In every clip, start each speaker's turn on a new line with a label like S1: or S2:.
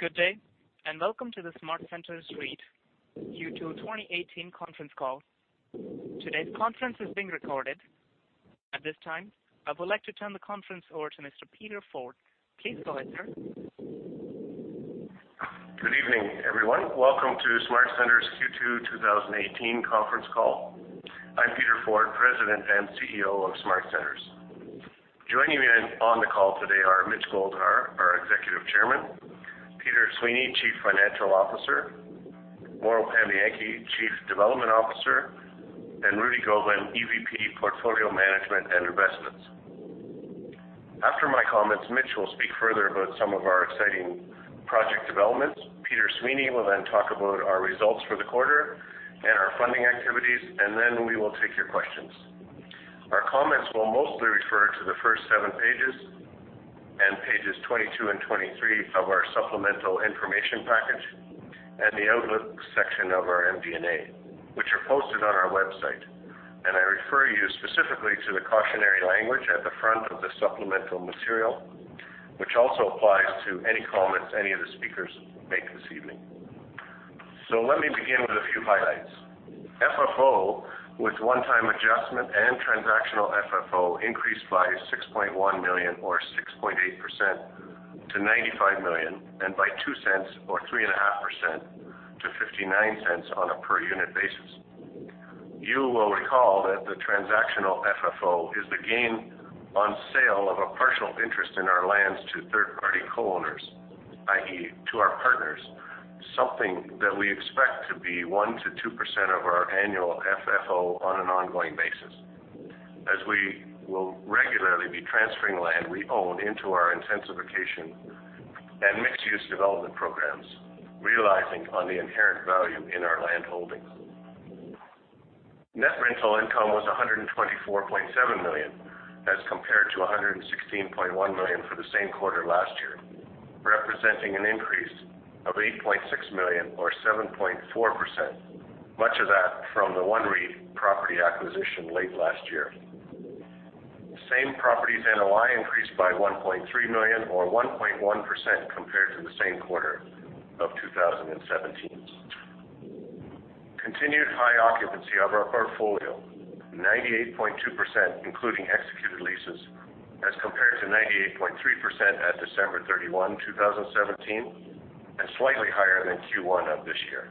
S1: Good day, welcome to the SmartCentres Real Estate Investment Trust Q2 2018 conference call. Today's conference is being recorded. At this time, I would like to turn the conference over to Mr. Peter Forde. Please go ahead, sir.
S2: Good evening, everyone. Welcome to SmartCentres' Q2 2018 conference call. I'm Peter Forde, President and CEO of SmartCentres. Joining me on the call today are Mitch Goldhar, our Executive Chairman, Peter Sweeney, Chief Financial Officer, Mauro Pambianchi, Chief Development Officer, and Rudy Gobin, EVP, Portfolio Management and Investments. After my comments, Mitch will speak further about some of our exciting project developments. Peter Sweeney will then talk about our results for the quarter and our funding activities, we will take your questions. Our comments will mostly refer to the first seven pages and pages 22 and 23 of our supplemental information package and the outlook section of our MD&A, which are posted on our website. I refer you specifically to the cautionary language at the front of the supplemental material, which also applies to any comments any of the speakers make this evening. Let me begin with a few highlights. FFO with one-time adjustment and transactional FFO increased by 6.1 million, or 6.8%, to 95 million, and by 0.02, or 3.5%, to 0.59 on a per unit basis. You will recall that the transactional FFO is the gain on sale of a partial interest in our lands to third-party co-owners, i.e., to our partners, something that we expect to be 1%-2% of our annual FFO on an ongoing basis, as we will regularly be transferring land we own into our intensification and mixed-use development programs, realizing on the inherent value in our land holdings. Net rental income was 124.7 million, as compared to 116.1 million for the same quarter last year, representing an increase of 8.6 million, or 7.4%, much of that from the OneREIT property acquisition late last year. Same properties NOI increased by 1.3 million or 1.1% compared to the same quarter of 2017. Continued high occupancy of our portfolio, 98.2%, including executed leases, as compared to 98.3% at December 31, 2017, and slightly higher than Q1 of this year.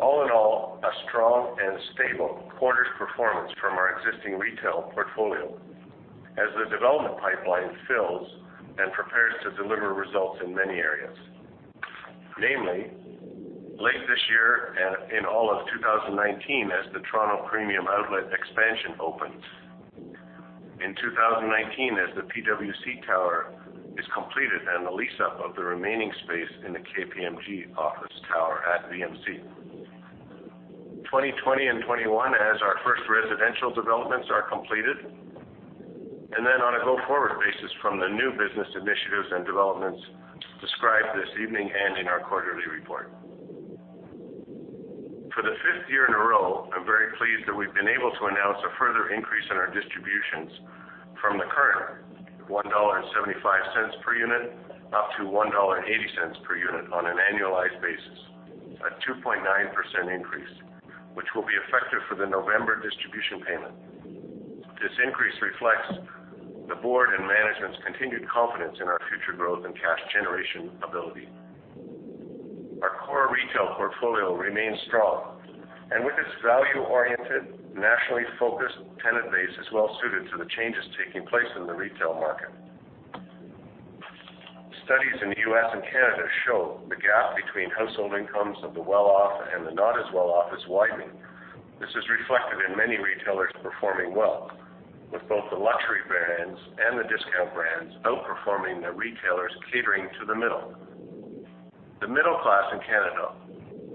S2: All in all, a strong and stable quarter's performance from our existing retail portfolio as the development pipeline fills and prepares to deliver results in many areas. Namely, late this year and in all of 2019, as the Toronto Premium Outlets expansion opens. In 2019, as the PwC tower is completed and the lease-up of the remaining space in the KPMG office tower at VMC. 2020 and 2021 as our first residential developments are completed. Then on a go-forward basis from the new business initiatives and developments described this evening and in our quarterly report. For the fifth year in a row, I am very pleased that we have been able to announce a further increase in our distributions from the current 1.75 dollar per unit up to 1.80 dollar per unit on an annualized basis. A 2.9% increase, which will be effective for the November distribution payment. This increase reflects the board and management's continued confidence in our future growth and cash generation ability. Our core retail portfolio remains strong, and with its value-oriented, nationally-focused tenant base is well-suited to the changes taking place in the retail market. Studies in the U.S. and Canada show the gap between household incomes of the well-off and the not-as-well-off is widening. This is reflected in many retailers performing well, with both the luxury brands and the discount brands outperforming the retailers catering to the middle. The middle class in Canada,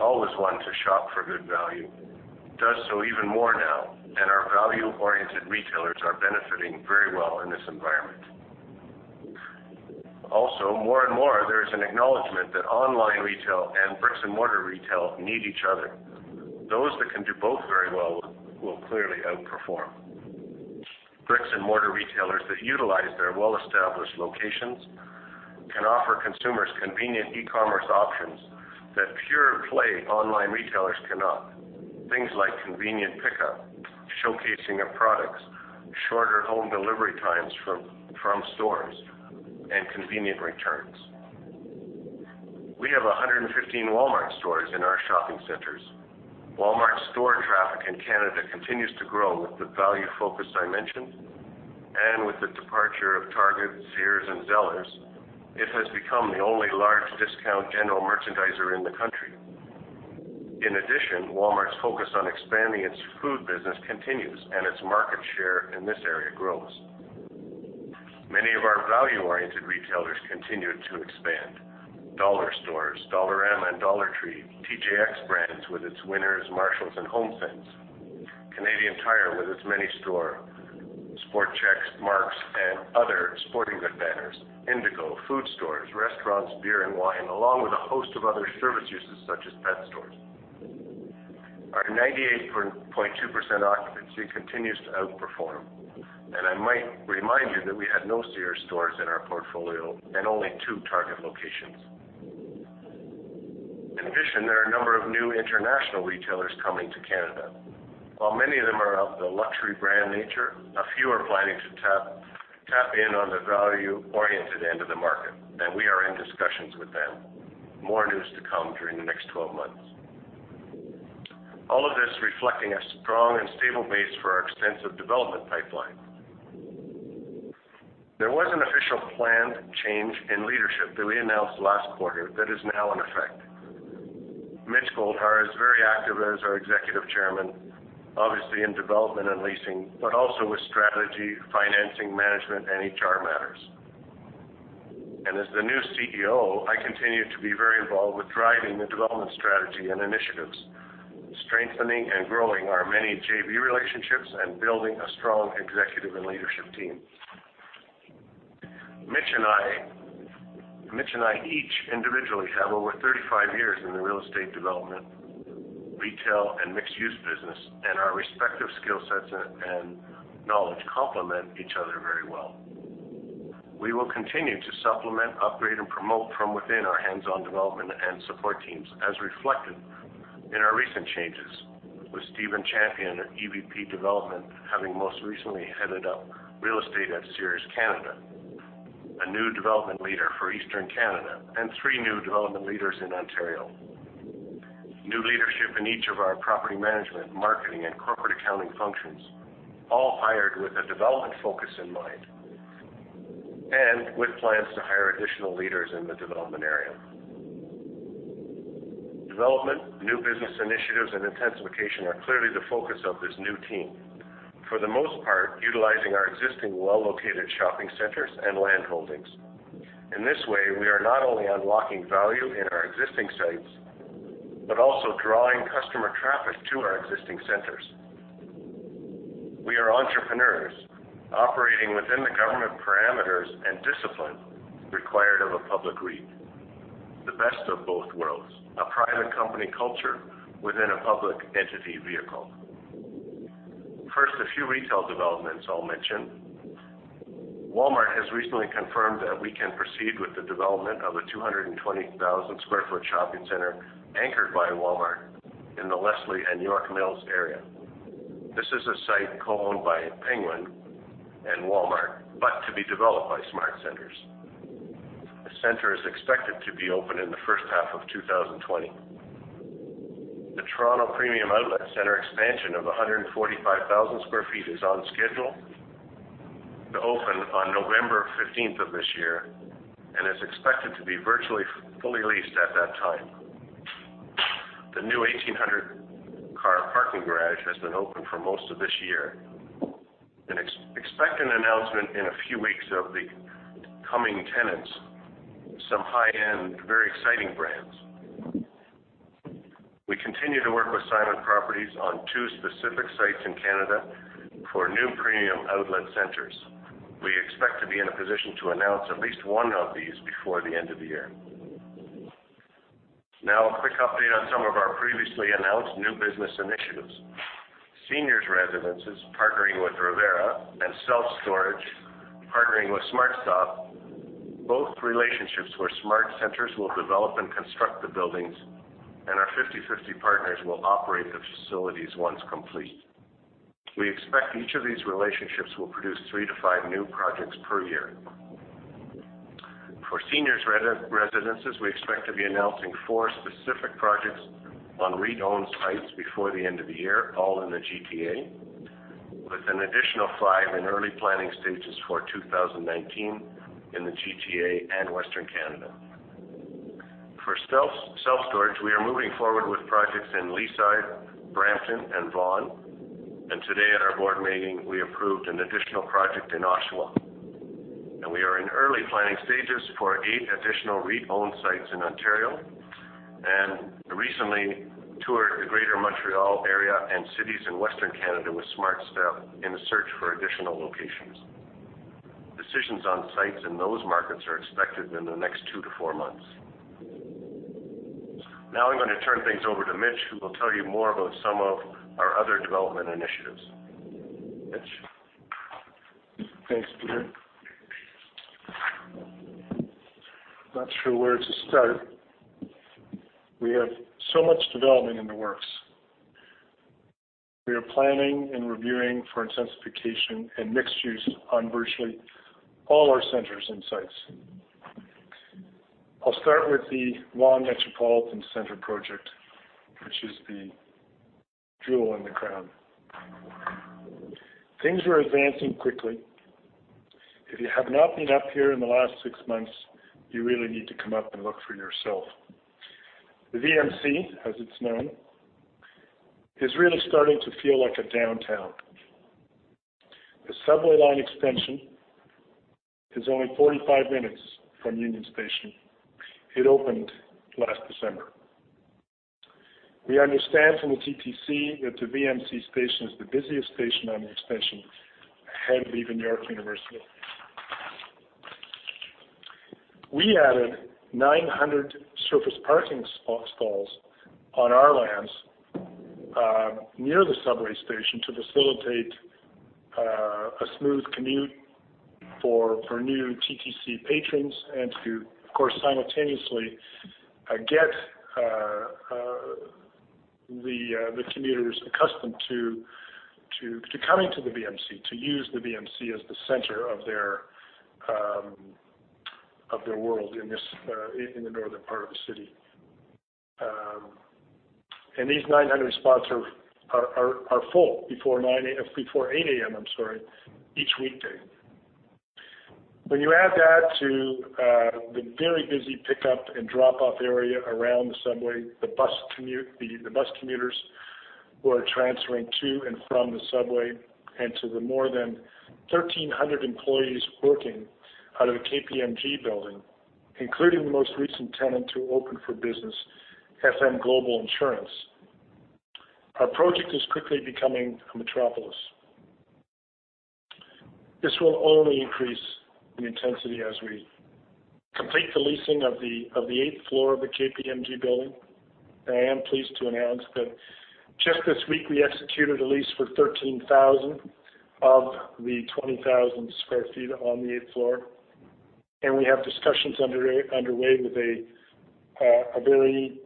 S2: always one to shop for good value, does so even more now. Our value-oriented retailers are benefiting very well in this environment. More and more, there is an acknowledgment that online retail and bricks-and-mortar retail need each other. Those that can do both very well will clearly outperform. Bricks-and-mortar retailers that utilize their well-established locations can offer consumers convenient e-commerce options that pure-play online retailers cannot. Things like convenient pickup, showcasing of products, shorter home delivery times from stores, and convenient returns. We have 115 Walmart stores in our shopping centers. Walmart store traffic in Canada continues to grow with the value focus I mentioned. With the departure of Target, Sears, and Zellers, it has become the only large discount general merchandiser in the country. Walmart's focus on expanding its food business continues, and its market share in this area grows. Many of our value-oriented retailers continue to expand. Dollar stores, Dollarama and Dollar Tree, TJX brands with its Winners, Marshalls, and HomeSense, Canadian Tire with its many store, Sport Chek, Mark's, and other sporting good banners, Indigo, food stores, restaurants, beer and wine, along with a host of other service uses such as pet stores. Our 98.2% occupancy continues to outperform. I might remind you that we had no Sears stores in our portfolio and only two Target locations. There are a number of new international retailers coming to Canada. While many of them are of the luxury brand nature, a few are planning to tap in on the value-oriented end of the market, and we are in discussions with them. More news to come during the next 12 months. All of this reflecting a strong and stable base for our extensive development pipeline. There was an official planned change in leadership that we announced last quarter that is now in effect. Mitch Goldhar is very active as our Executive Chairman, obviously in development and leasing, but also with strategy, financing, management, and HR matters. As the new CEO, I continue to be very involved with driving the development strategy and initiatives, strengthening and growing our many JV relationships, and building a strong executive and leadership team. Mitch and I each individually have over 35 years in the real estate development, retail, and mixed-use business, and our respective skill sets and knowledge complement each other very well. We will continue to supplement, upgrade, and promote from within our hands-on development and support teams, as reflected in our recent changes with Stephen Champion at EVP Development, having most recently headed up real estate at Sears Canada. A new development leader for Eastern Canada, and three new development leaders in Ontario. New leadership in each of our property management, marketing, and corporate accounting functions, all hired with a development focus in mind, and with plans to hire additional leaders in the development area. Development, new business initiatives, and intensification are clearly the focus of this new team. For the most part, utilizing our existing well-located shopping centers and land holdings. In this way, we are not only unlocking value in our existing sites, but also drawing customer traffic to our existing centers. We are entrepreneurs operating within the government parameters and discipline required of a public REIT. The best of both worlds. A private company culture within a public entity vehicle. First, a few retail developments I'll mention. Walmart has recently confirmed that we can proceed with the development of a 220,000 sq ft shopping center anchored by Walmart in the Leslie and York Mills area. This is a site co-owned by Penguin and Walmart, but to be developed by SmartCentres. The center is expected to be open in the first half of 2020. The Toronto Premium Outlet Center expansion of 145,000 sq ft is on schedule to open on November 15th of this year and is expected to be virtually fully leased at that time. The new 1,800 car parking garage has been open for most of this year. Expect an announcement in a few weeks of the coming tenants, some high-end, very exciting brands. We continue to work with Simon Properties on two specific sites in Canada for new premium outlet centers. We expect to be in a position to announce at least one of these before the end of the year. A quick update on some of our previously announced new business initiatives. Seniors residences, partnering with Revera, and self-storage, partnering with SmartStop. Both relationships where SmartCentres will develop and construct the buildings, and our 50-50 partners will operate the facilities once complete. We expect each of these relationships will produce three to five new projects per year. For seniors residences, we expect to be announcing four specific projects on REIT-owned sites before the end of the year, all in the GTA, with an additional five in early planning stages for 2019 in the GTA and Western Canada. For self-storage, we are moving forward with projects in Leaside, Brampton, and Vaughan. Today at our board meeting, we approved an additional project in Oshawa. We are in early planning stages for eight additional REIT-owned sites in Ontario. We recently toured the Greater Montreal area and cities in Western Canada with SmartStop in the search for additional locations. Decisions on sites in those markets are expected in the next two to four months. I'm going to turn things over to Mitch, who will tell you more about some of our other development initiatives. Mitch?
S3: Thanks, Peter. I'm not sure where to start. We have so much development in the works. We are planning and reviewing for intensification and mixed use on virtually all our centers and sites. I'll start with the Vaughan Metropolitan Centre project, which is the jewel in the crown. Things are advancing quickly. If you have not been up here in the last six months, you really need to come up and look for yourself. The VMC, as it's known, is really starting to feel like a downtown. The subway line extension is only 45 minutes from Union Station. It opened last December. We understand from the TTC that the VMC station is the busiest station on the extension, ahead even of York University. We added 900 surface parking spots stalls on our lands near the subway station to facilitate a smooth commute for new TTC patrons and to, of course, simultaneously get the commuters accustomed to coming to the VMC, to use the VMC as the center of their world in the northern part of the city. These 900 spots are full before 9:00 A.M. before 8:00 A.M., I'm sorry, each weekday. When you add that to the very busy pickup and drop-off area around the subway, the bus commuters who are transferring to and from the subway, and to the more than 1,300 employees working out of the KPMG building, including the most recent tenant to open for business, FM Global Insurance, our project is quickly becoming a metropolis. This will only increase in intensity as we complete the leasing of the eighth floor of the KPMG building. I am pleased to announce that just this week we executed a lease for 13,000 of the 20,000 sq ft on the eighth floor, and we have discussions underway with a very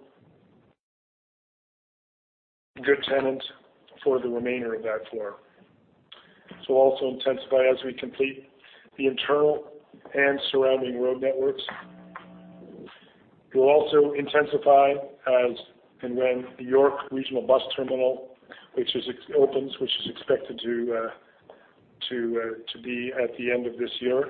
S3: good tenant for the remainder of that floor. It will also intensify as we complete the internal and surrounding road networks. It will also intensify as and when the York Regional Bus Terminal, which is expected to be at the end of this year.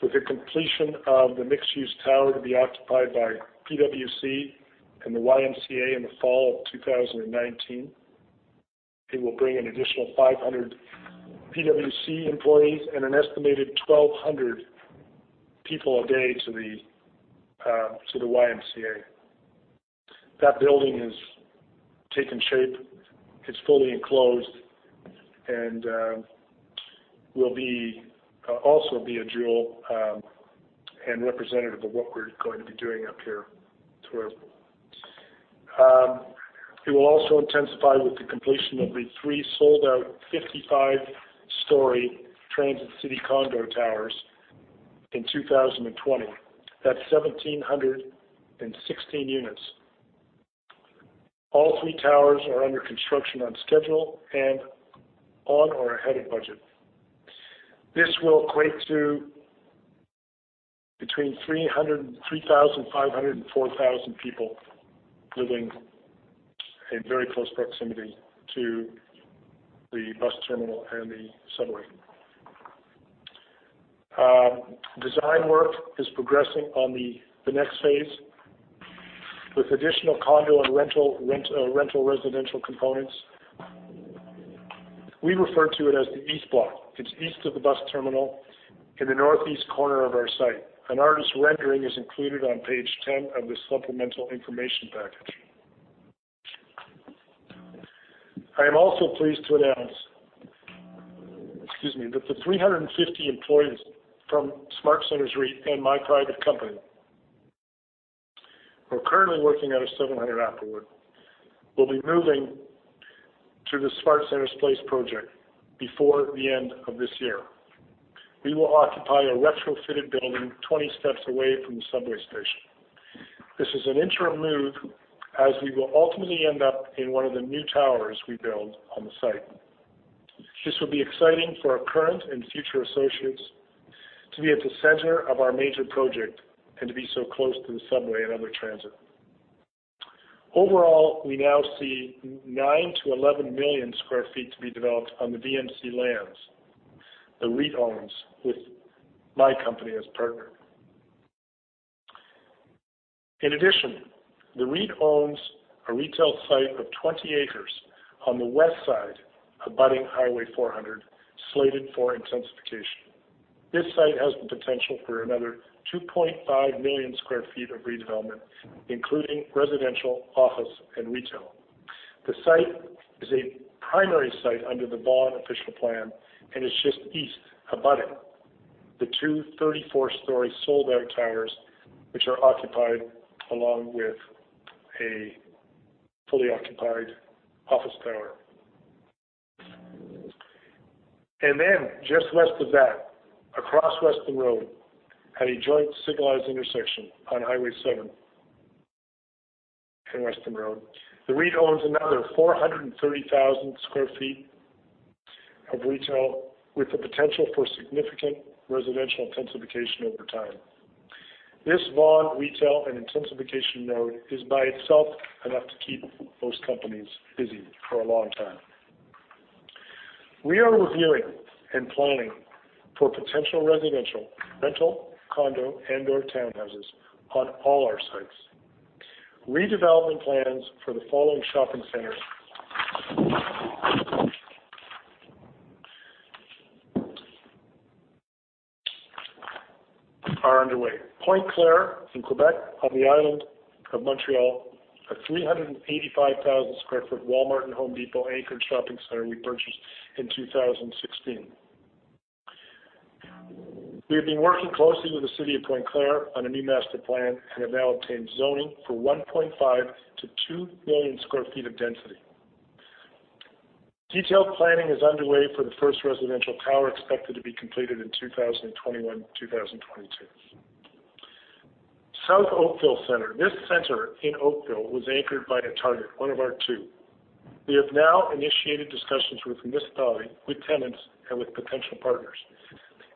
S3: With the completion of the mixed-use tower to be occupied by PwC and the YMCA in the fall of 2019, it will bring an additional 500 PwC employees and an estimated 1,200 people a day to the YMCA. That building has taken shape. It's fully enclosed and will also be a jewel and representative of what we're going to be doing up here. It will also intensify with the completion of the three sold-out 55-story Transit City condo towers in 2020. That's 1,716 units. All three towers are under construction on schedule and on or ahead of budget. This will equate to between 3,500 and 4,000 people living in very close proximity to the bus terminal and the subway. Design work is progressing on the next phase with additional condo and rental residential components. We refer to it as the East Block. It's east of the bus terminal in the northeast corner of our site. An artist rendering is included on page 10 of this supplemental information package. I am also pleased to announce, excuse me, that the 350 employees from SmartCentres REIT and my private company, who are currently working out of 700 Applewood, will be moving to the SmartCentres Place project before the end of this year. We will occupy a retrofitted building 20 steps away from the subway station. This is an interim move as we will ultimately end up in one of the new towers we build on the site. This will be exciting for our current and future associates to be at the center of our major project and to be so close to the subway and other transit. Overall, we now see 9 million-11 million sq ft to be developed on the VMC lands. The REIT owns with my company as partner. In addition, the REIT owns a retail site of 20 acres on the west side, abutting Highway 400, slated for intensification. This site has the potential for another 2.5 million sq ft of redevelopment, including residential, office, and retail. The site is a primary site under the Vaughan Official Plan and is just east abutting the two 34-story sold-out towers, which are occupied along with a fully occupied office tower. Just west of that, across Weston Road, at a joint signalized intersection on Highway 7 and Weston Road, the REIT owns another 430,000 sq ft of retail with the potential for significant residential intensification over time. This Vaughan retail and intensification node is by itself enough to keep most companies busy for a long time. We are reviewing and planning for potential residential, rental, condo, and/or townhouses on all our sites. Redevelopment plans for the following shopping centers are underway. Pointe-Claire in Quebec on the island of Montreal, a 385,000 sq ft Walmart and Home Depot anchored shopping center we purchased in 2016. We have been working closely with the city of Pointe-Claire on a new master plan and have now obtained zoning for 1.5 million-2 million sq ft of density. Detailed planning is underway for the first residential tower, expected to be completed in 2021, 2022. South Oakville Center. This center in Oakville was anchored by a Target, one of our two. We have now initiated discussions with the municipality, with tenants, and with potential partners.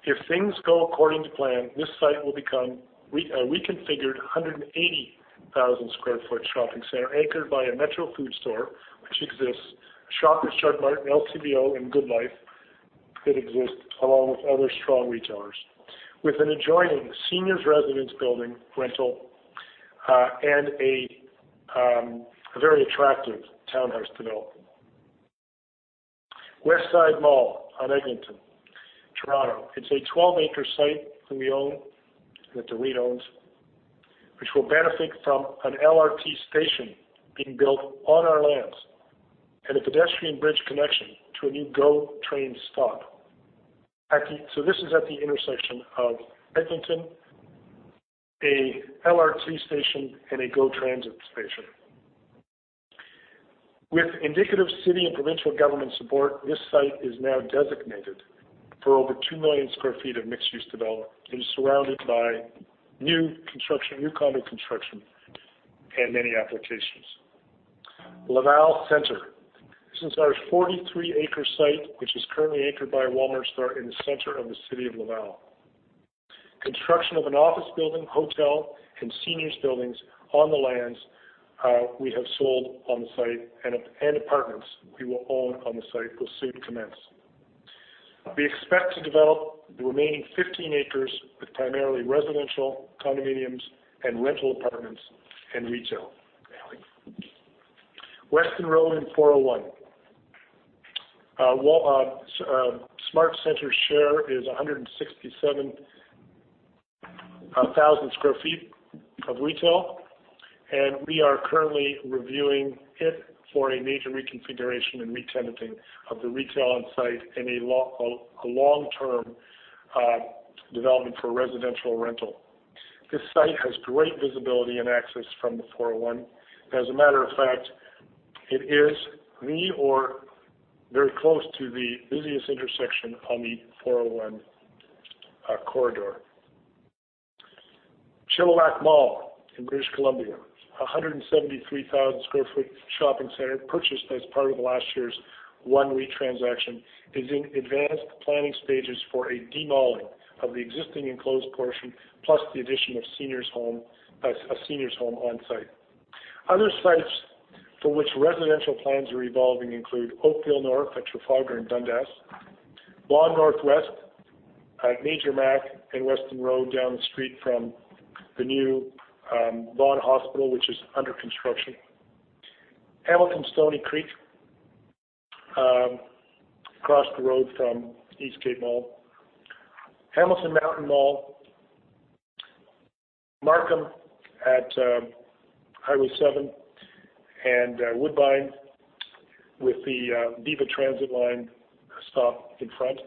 S3: If things go according to plan, this site will become a reconfigured 180,000 sq ft shopping center anchored by a Metro food store, which exists. A Shoppers Drug Mart, an LCBO, and GoodLife that exist along with other strong retailers. With an adjoining seniors residence building rental, and a very attractive townhouse development. Westside Mall on Eglinton, Toronto. It's a 12-acre site that we own, that the REIT owns, which will benefit from an LRT station being built on our lands and a pedestrian bridge connection to a new GO train stop. This is at the intersection of Eglinton, an LRT station, and a GO Transit station. With indicative city and provincial government support, this site is now designated for over 2 million sq ft of mixed-use development and is surrounded by new condo construction and many applications. Laval Center. This is our 43-acre site, which is currently anchored by a Walmart store in the center of the city of Laval. Construction of an office building, hotel, and seniors buildings on the lands we have sold on the site and apartments we will own on the site will soon commence. We expect to develop the remaining 15 acres with primarily residential condominiums and rental apartments and retail. Weston Road and 401. SmartCentres' share is 167,000 sq ft of retail. We are currently reviewing it for a major reconfiguration and re-tenanting of the retail on-site and a long-term development for residential rental. This site has great visibility and access from the 401. As a matter of fact, it is the, or very close to the busiest intersection on the 401 corridor. Chilliwack Mall in British Columbia, a 173,000 sq ft shopping center purchased as part of last year's OneREIT transaction, is in advanced planning stages for a de-malling of the existing enclosed portion, plus the addition of a seniors home on-site. Other sites for which residential plans are evolving include Oakville North at Trafalgar and Dundas, Vaughan Northwest at Major Mac and Weston Road, down the street from the new Vaughan Hospital, which is under construction. Hamilton Stoney Creek, across the road from Eastgate Mall. Hamilton Mountain Mall. Markham at Highway 7 and Woodbine with the Viva transit line stop in front.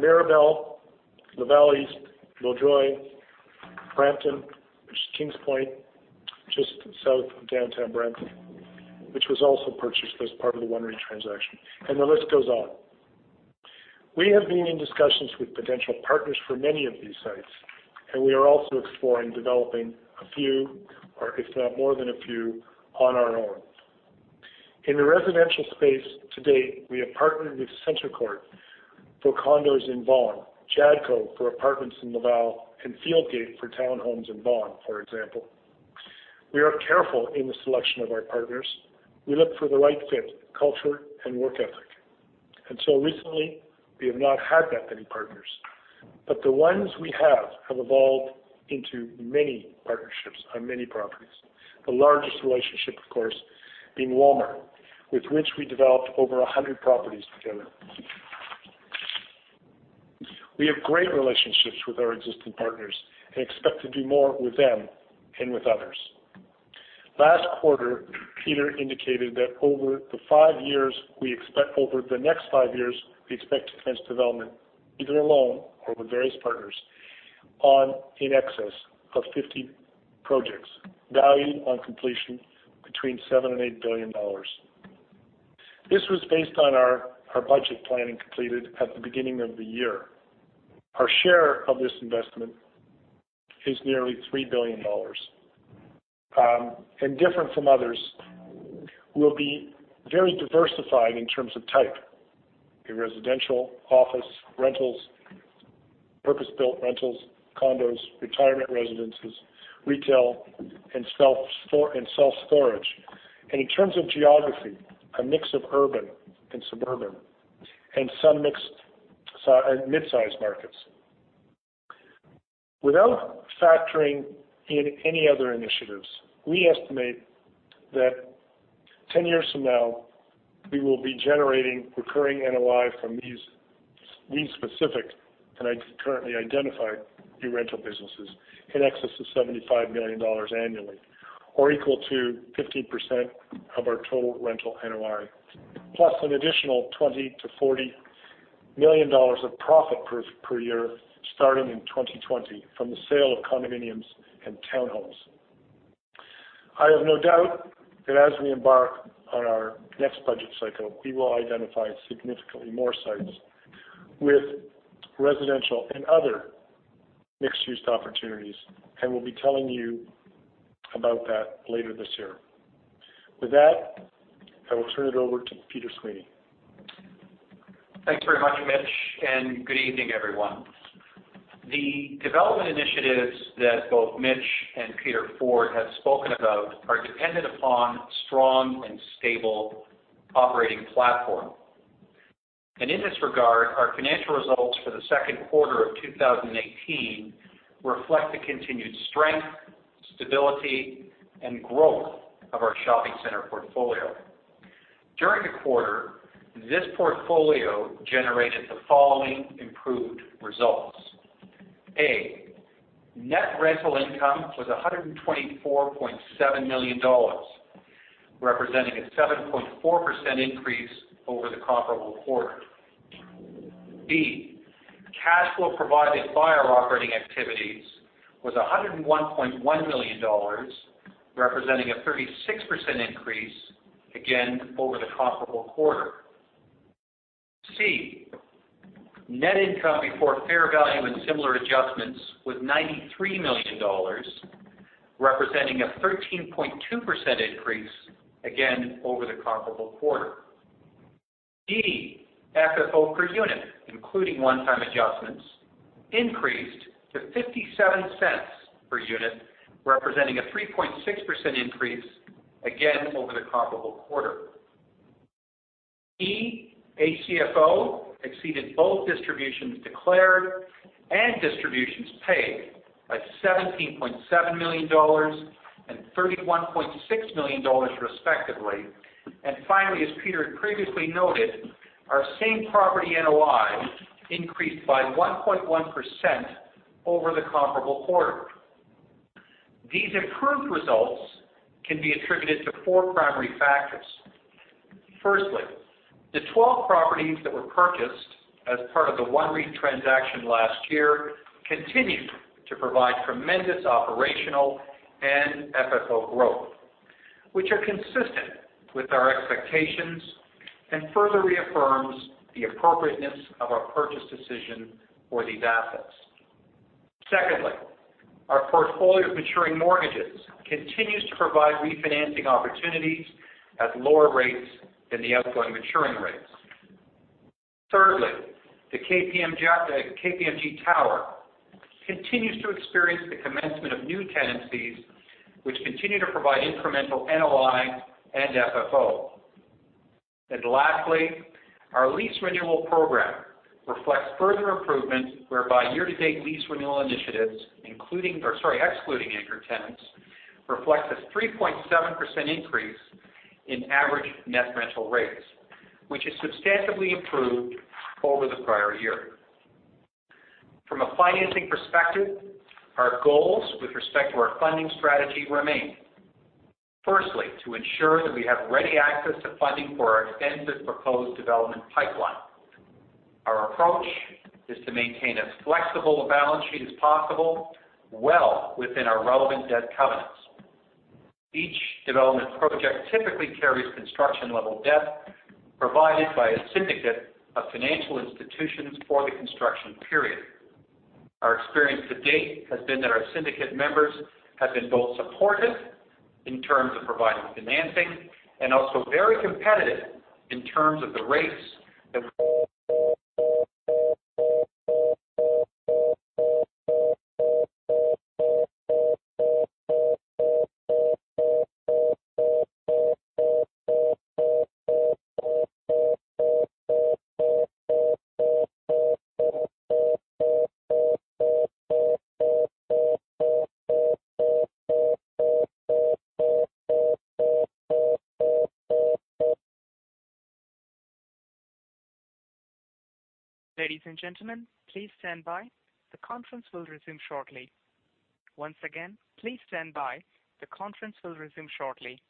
S3: Mirabel, Laval, Mountjoy, Brampton, which is Kingspoint Plaza just south of downtown Brampton, which was also purchased as part of the OneREIT transaction. The list goes on. We have been in discussions with potential partners for many of these sites. We are also exploring developing a few, or if not more than a few, on our own. In the residential space to date, we have partnered with CentreCourt for condos in Vaughan, Jadco for apartments in Laval, and Fieldgate for townhomes in Vaughan, for example. We are careful in the selection of our partners. We look for the right fit, culture, and work ethic. Until recently, we have not had that many partners, but the ones we have evolved into many partnerships on many properties. The largest relationship, of course, being Walmart, with which we developed over 100 properties together. We have great relationships with our existing partners and expect to do more with them and with others. Last quarter, Peter indicated that over the next five years, we expect to commence development either alone or with various partners on in excess of 50 projects, valued on completion between 7 billion and 8 billion dollars. This was based on our budget planning completed at the beginning of the year. Our share of this investment is nearly CAD 3 billion. Different from others, we will be very diversified in terms of type. In residential, office, rentals, purpose-built rentals, condos, retirement residences, retail, and self-storage. In terms of geography, a mix of urban and suburban, and some mid-sized markets. Without factoring in any other initiatives, we estimate that 10 years from now, we will be generating recurring NOI from these specific and currently identified new rental businesses in excess of 75 million dollars annually, or equal to 15% of our total rental NOI. Plus an additional 20 million to 40 million dollars of profit per year starting in 2020 from the sale of condominiums and townhomes. I have no doubt that as we embark on our next budget cycle, we will identify significantly more sites with residential and other mixed-use opportunities. We will be telling you about that later this year. With that, I will turn it over to Peter Sweeney.
S4: Thanks very much, Mitch, good evening, everyone. The development initiatives that both Mitch and Peter Forde have spoken about are dependent upon a strong and stable operating platform. In this regard, our financial results for the second quarter of 2018 reflect the continued strength, stability, and growth of our shopping center portfolio. During the quarter, this portfolio generated the following improved results. A, net rental income was 124.7 million dollars, representing a 7.4% increase over the comparable quarter. B, cash flow provided by our operating activities was 101.1 million dollars, representing a 36% increase, again, over the comparable quarter. C, net income before fair value and similar adjustments was 93 million dollars, representing a 13.2% increase, again, over the comparable quarter. D, FFO per unit, including one-time adjustments, increased to CAD 0.57 per unit, representing a 3.6% increase, again, over the comparable quarter. E, ACFO exceeded both distributions declared and distributions paid by 17.7 million dollars and 31.6 million dollars, respectively. Finally, as Peter had previously noted, our same property NOI increased by 1.1% over the comparable quarter. These improved results can be attributed to four primary factors. Firstly, the 12 properties that were purchased as part of the OneREIT transaction last year continue to provide tremendous operational and FFO growth, which are consistent with our expectations and further reaffirms the appropriateness of our purchase decision for these assets. Secondly, our portfolio of maturing mortgages continues to provide refinancing opportunities at lower rates than the outgoing maturing rates. Thirdly, the KPMG Tower continues to experience the commencement of new tenancies, which continue to provide incremental NOI and FFO. Lastly, our lease renewal program reflects further improvement, whereby year-to-date lease renewal initiatives, excluding anchor tenants, reflects a 3.7% increase in average net rental rates, which has substantially improved over the prior year. From a financing perspective, our goals with respect to our funding strategy remain. Firstly, to ensure that we have ready access to funding for our extensive proposed development pipeline. Our approach is to maintain as flexible a balance sheet as possible, well within our relevant debt covenants. Each development project typically carries construction-level debt provided by a syndicate of financial institutions for the construction period. Our experience to date has been that our syndicate members have been both supportive in terms of providing financing and also very competitive in terms of the rates that
S1: Ladies and gentlemen, please stand by. The conference will resume shortly. Once again, please stand by. The conference will resume shortly.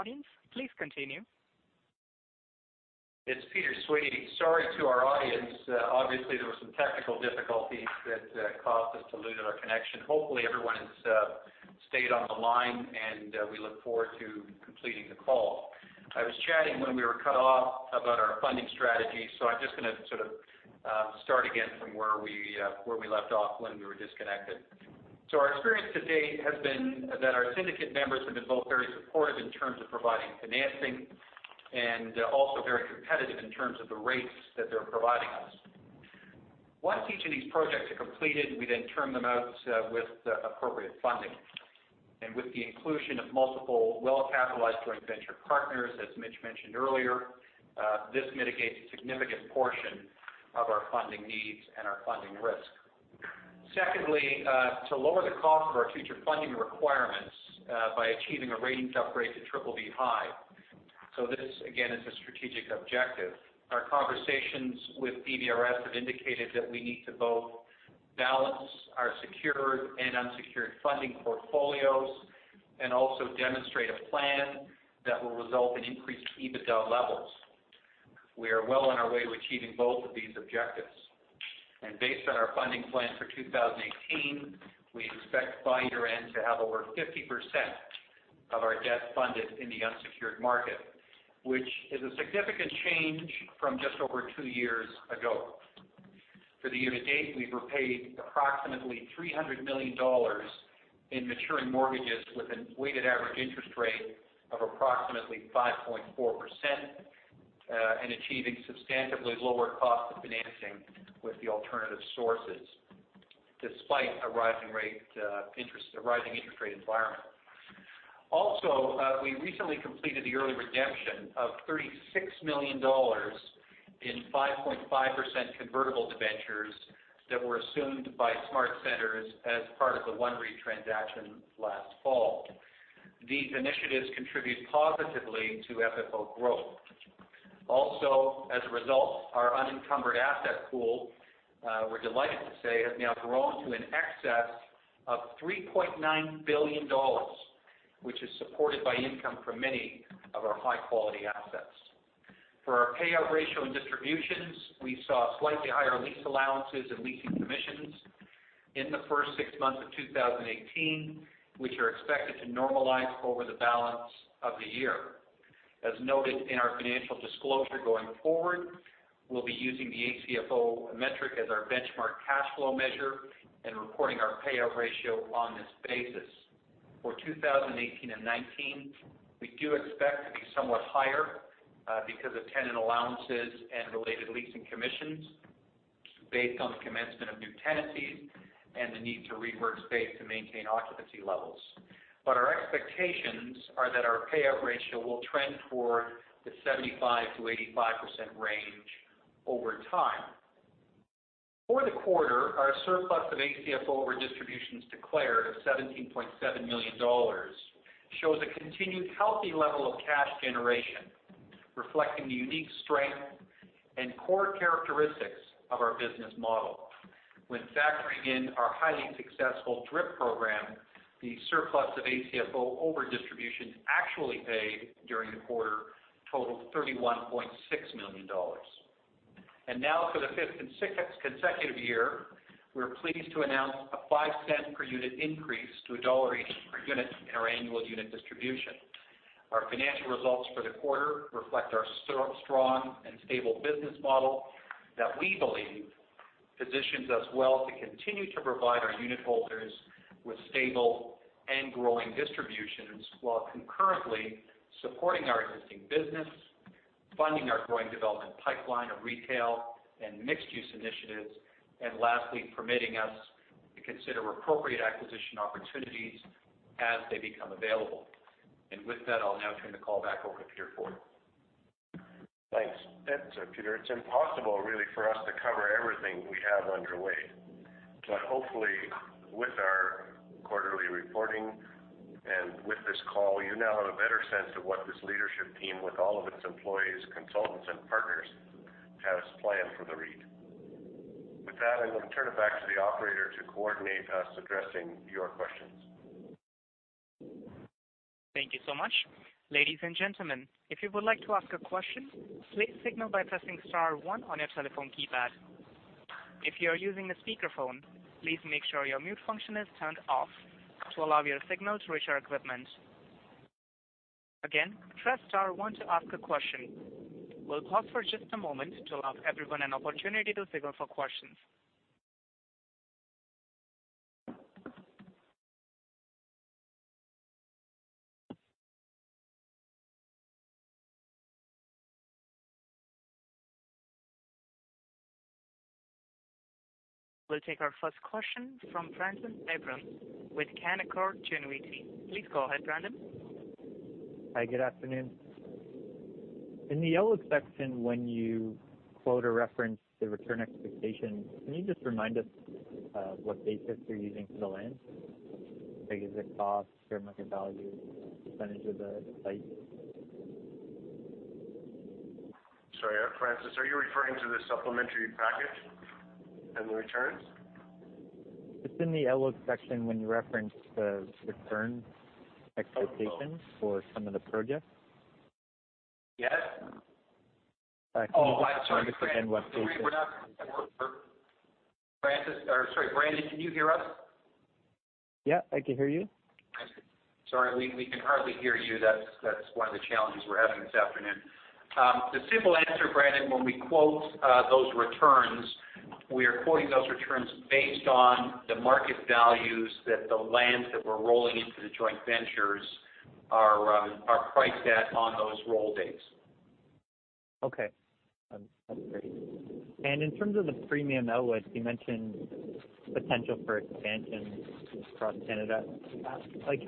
S1: You are connected with the audience. Please continue.
S4: It's Peter Sweeney. Sorry to our audience. Obviously, there were some technical difficulties that caused us to lose our connection. Hopefully, everyone has stayed on the line, and we look forward to completing the call. I was chatting when we were cut off about our funding strategy. I'm just going to sort of start again from where we left off when we were disconnected. Our experience to date has been that our syndicate members have been both very supportive in terms of providing financing and also very competitive in terms of the rates that they're providing us. Once each of these projects are completed, we then term them out with the appropriate funding. With the inclusion of multiple well-capitalized joint venture partners, as Mitch mentioned earlier, this mitigates a significant portion of our funding needs and our funding risk. Secondly, to lower the cost of our future funding requirements by achieving a ratings upgrade to BBB high. This, again, is a strategic objective. Our conversations with DBRS have indicated that we need to both balance our secured and unsecured funding portfolios and also demonstrate a plan that will result in increased EBITDA levels. We are well on our way to achieving both of these objectives. Based on our funding plan for 2018, we expect by year-end to have over 50% of our debt funded in the unsecured market, which is a significant change from just over two years ago. For the year to date, we've repaid approximately 300 million dollars in maturing mortgages with a weighted average interest rate of approximately 5.4%, achieving substantively lower cost of financing with the alternative sources, despite a rising interest rate environment. We recently completed the early redemption of 36 million dollars in 5.5% convertible debentures that were assumed by SmartCentres as part of the OneREIT transaction last fall. These initiatives contribute positively to FFO growth. As a result, our unencumbered asset pool, we're delighted to say, has now grown to an excess of 3.9 billion dollars, which is supported by income from many of our high-quality assets. For our payout ratio and distributions, we saw slightly higher lease allowances and leasing commissions in the first six months of 2018, which are expected to normalize over the balance of the year. As noted in our financial disclosure, going forward, we'll be using the ACFO metric as our benchmark cash flow measure and reporting our payout ratio on this basis. For 2018 and 2019, we do expect to be somewhat higher because of tenant allowances and related leasing commissions based on the commencement of new tenancies and the need to rework space to maintain occupancy levels. Our expectations are that our payout ratio will trend toward the 75%-85% range over time. For the quarter, our surplus of ACFO over distributions declared of 17.7 million dollars shows a continued healthy level of cash generation, reflecting the unique strength and core characteristics of our business model. When factoring in our highly successful DRIP program, the surplus of ACFO over distributions actually paid during the quarter totaled 31.6 million dollars. Now, for the fifth consecutive year, we're pleased to announce a 0.05 per unit increase to CAD 1.80 per unit in our annual unit distribution. Our financial results for the quarter reflect our strong and stable business model that we believe positions us well to continue to provide our unitholders with stable and growing distributions while concurrently supporting our existing business, funding our growing development pipeline of retail and mixed-use initiatives, lastly, permitting us to consider appropriate acquisition opportunities as they become available. With that, I'll now turn the call back over to Peter Forde.
S2: Thanks. Peter, it's impossible really for us to cover everything we have underway. Hopefully, with our quarterly reporting and with this call, you now have a better sense of what this leadership team with all of its employees, consultants, and partners has planned for the REIT. With that, I'm going to turn it back to the operator to coordinate us addressing your questions.
S1: Thank you so much. Ladies and gentlemen, if you would like to ask a question, please signal by pressing star one on your telephone keypad. If you are using a speakerphone, please make sure your mute function is turned off to allow your signal to reach our equipment. Again, press star one to ask a question. We'll pause for just a moment to allow everyone an opportunity to signal for questions. We'll take our first question from Brendon Abrams with Canaccord Genuity. Please go ahead, Brendon.
S5: Hi, good afternoon. In the yellow section, when you quote or reference the return expectation, can you just remind us what basis you're using for the land? Is it cost, fair market value, percentage of the site?
S3: Sorry, Francis, are you referring to the supplementary package and the returns?
S5: It's in the yellow section when you reference the return expectations for some of the projects.
S3: Yes. Oh, I'm sorry, Francis. We're not Francis, or sorry, Brendon, can you hear us?
S5: Yeah, I can hear you.
S3: Sorry, we can hardly hear you. That's one of the challenges we're having this afternoon. The simple answer, Brendon, when we quote those returns, we are quoting those returns based on the market values that the lands that we're rolling into the joint ventures are priced at on those roll dates.
S5: Okay. That's great. In terms of the Premium Outlets, you mentioned potential for expansion across Canada.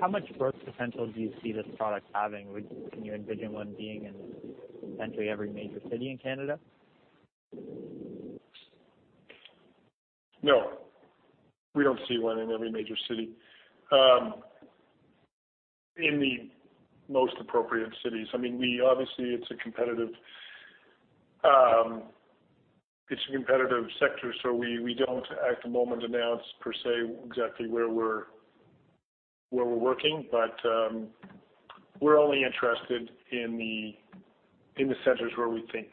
S5: How much growth potential do you see this product having? Can you envision one being in potentially every major city in Canada?
S3: No. We don't see one in every major city. In the most appropriate cities. Obviously, it's a competitive sector, so we don't, at the moment, announce per se exactly where we're working. We're only interested in the centers where we think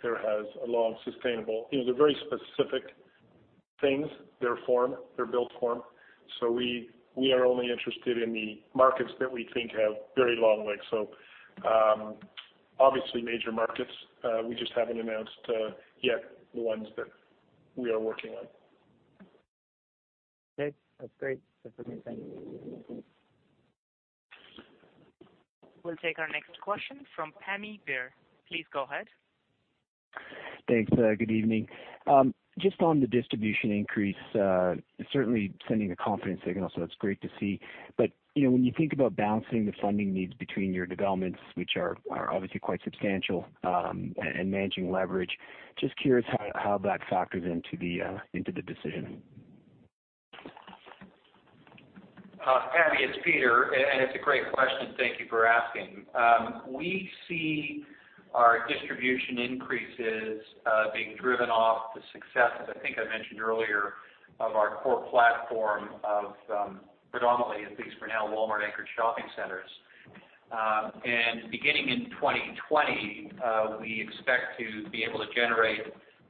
S3: They're very specific things. They're form, they're built form. We are only interested in the markets that we think have very long legs. Obviously major markets, we just haven't announced yet the ones that we are working on.
S5: Okay. That's great. That's what I'm saying.
S1: We'll take our next question from Pammi Bir. Please go ahead.
S6: Thanks. Good evening. Just on the distribution increase, certainly sending a confidence signal, that's great to see. When you think about balancing the funding needs between your developments, which are obviously quite substantial, and managing leverage, just curious how that factors into the decision.
S4: Pammi, it's Peter, it's a great question. Thank you for asking. We see our distribution increases, being driven off the success, as I think I mentioned earlier, of our core platform of predominantly, at least for now, Walmart anchored shopping centers. Beginning in 2020, we expect to be able to generate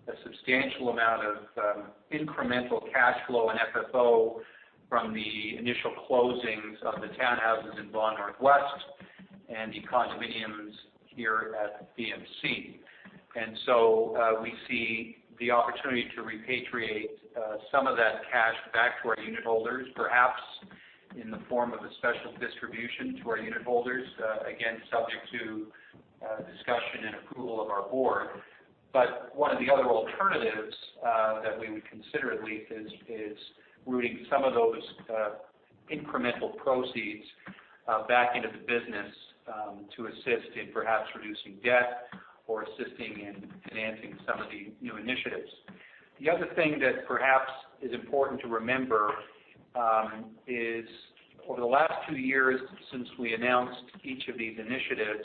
S4: a substantial amount of incremental cash flow and FFO from the initial closings of the townhouses in Vaughan Northwest and the condominiums here at VMC. We see the opportunity to repatriate some of that cash back to our unit holders, perhaps in the form of a special distribution to our unit holders, again, subject to, discussion and approval of our board. One of the other alternatives that we would consider, at least, is rooting some of those incremental proceeds back into the business, to assist in perhaps reducing debt or assisting in financing some of the new initiatives. The other thing that perhaps is important to remember is for the last two years since we announced each of these initiatives,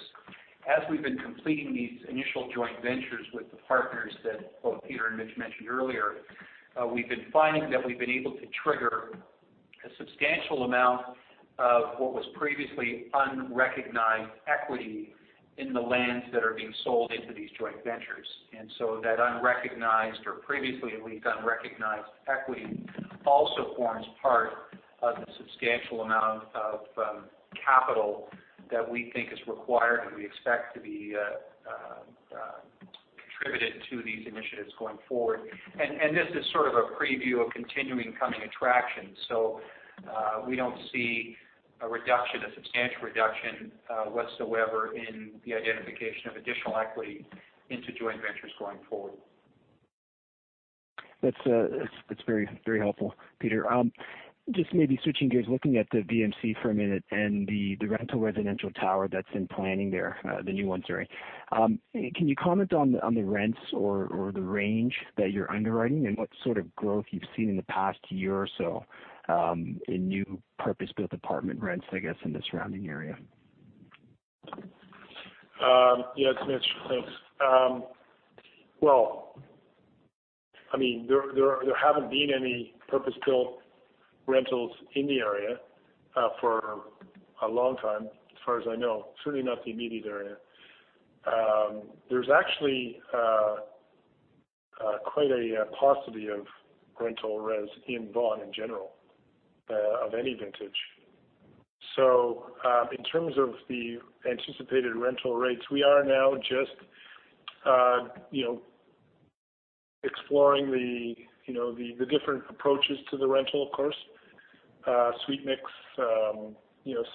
S4: as we've been completing these initial joint ventures with the partners that both Peter and Mitch mentioned earlier, we've been finding that we've been able to trigger a substantial amount of what was previously unrecognized equity in the lands that are being sold into these joint ventures. That unrecognized, or previously at least unrecognized equity, also forms part of the substantial amount of capital that we think is required, and we expect to be contributed to these initiatives going forward. this is sort of a preview of continuing coming attractions. We don't see a substantial reduction whatsoever in the identification of additional equity into joint ventures going forward.
S6: That's very helpful, Peter. Just maybe switching gears, looking at the VMC for a minute and the rental residential tower that's in planning there, the new one, sorry. Can you comment on the rents or the range that you're underwriting and what sort of growth you've seen in the past year or so, in new purpose-built apartment rents, I guess, in the surrounding area?
S3: It's Mitch. There haven't been any purpose-built rentals in the area for a long time, as far as I know. Certainly not the immediate area. There's actually quite a paucity of rental res in Vaughan in general, of any vintage. In terms of the anticipated rental rates, we are now just exploring the different approaches to the rental, of course. Suite mix,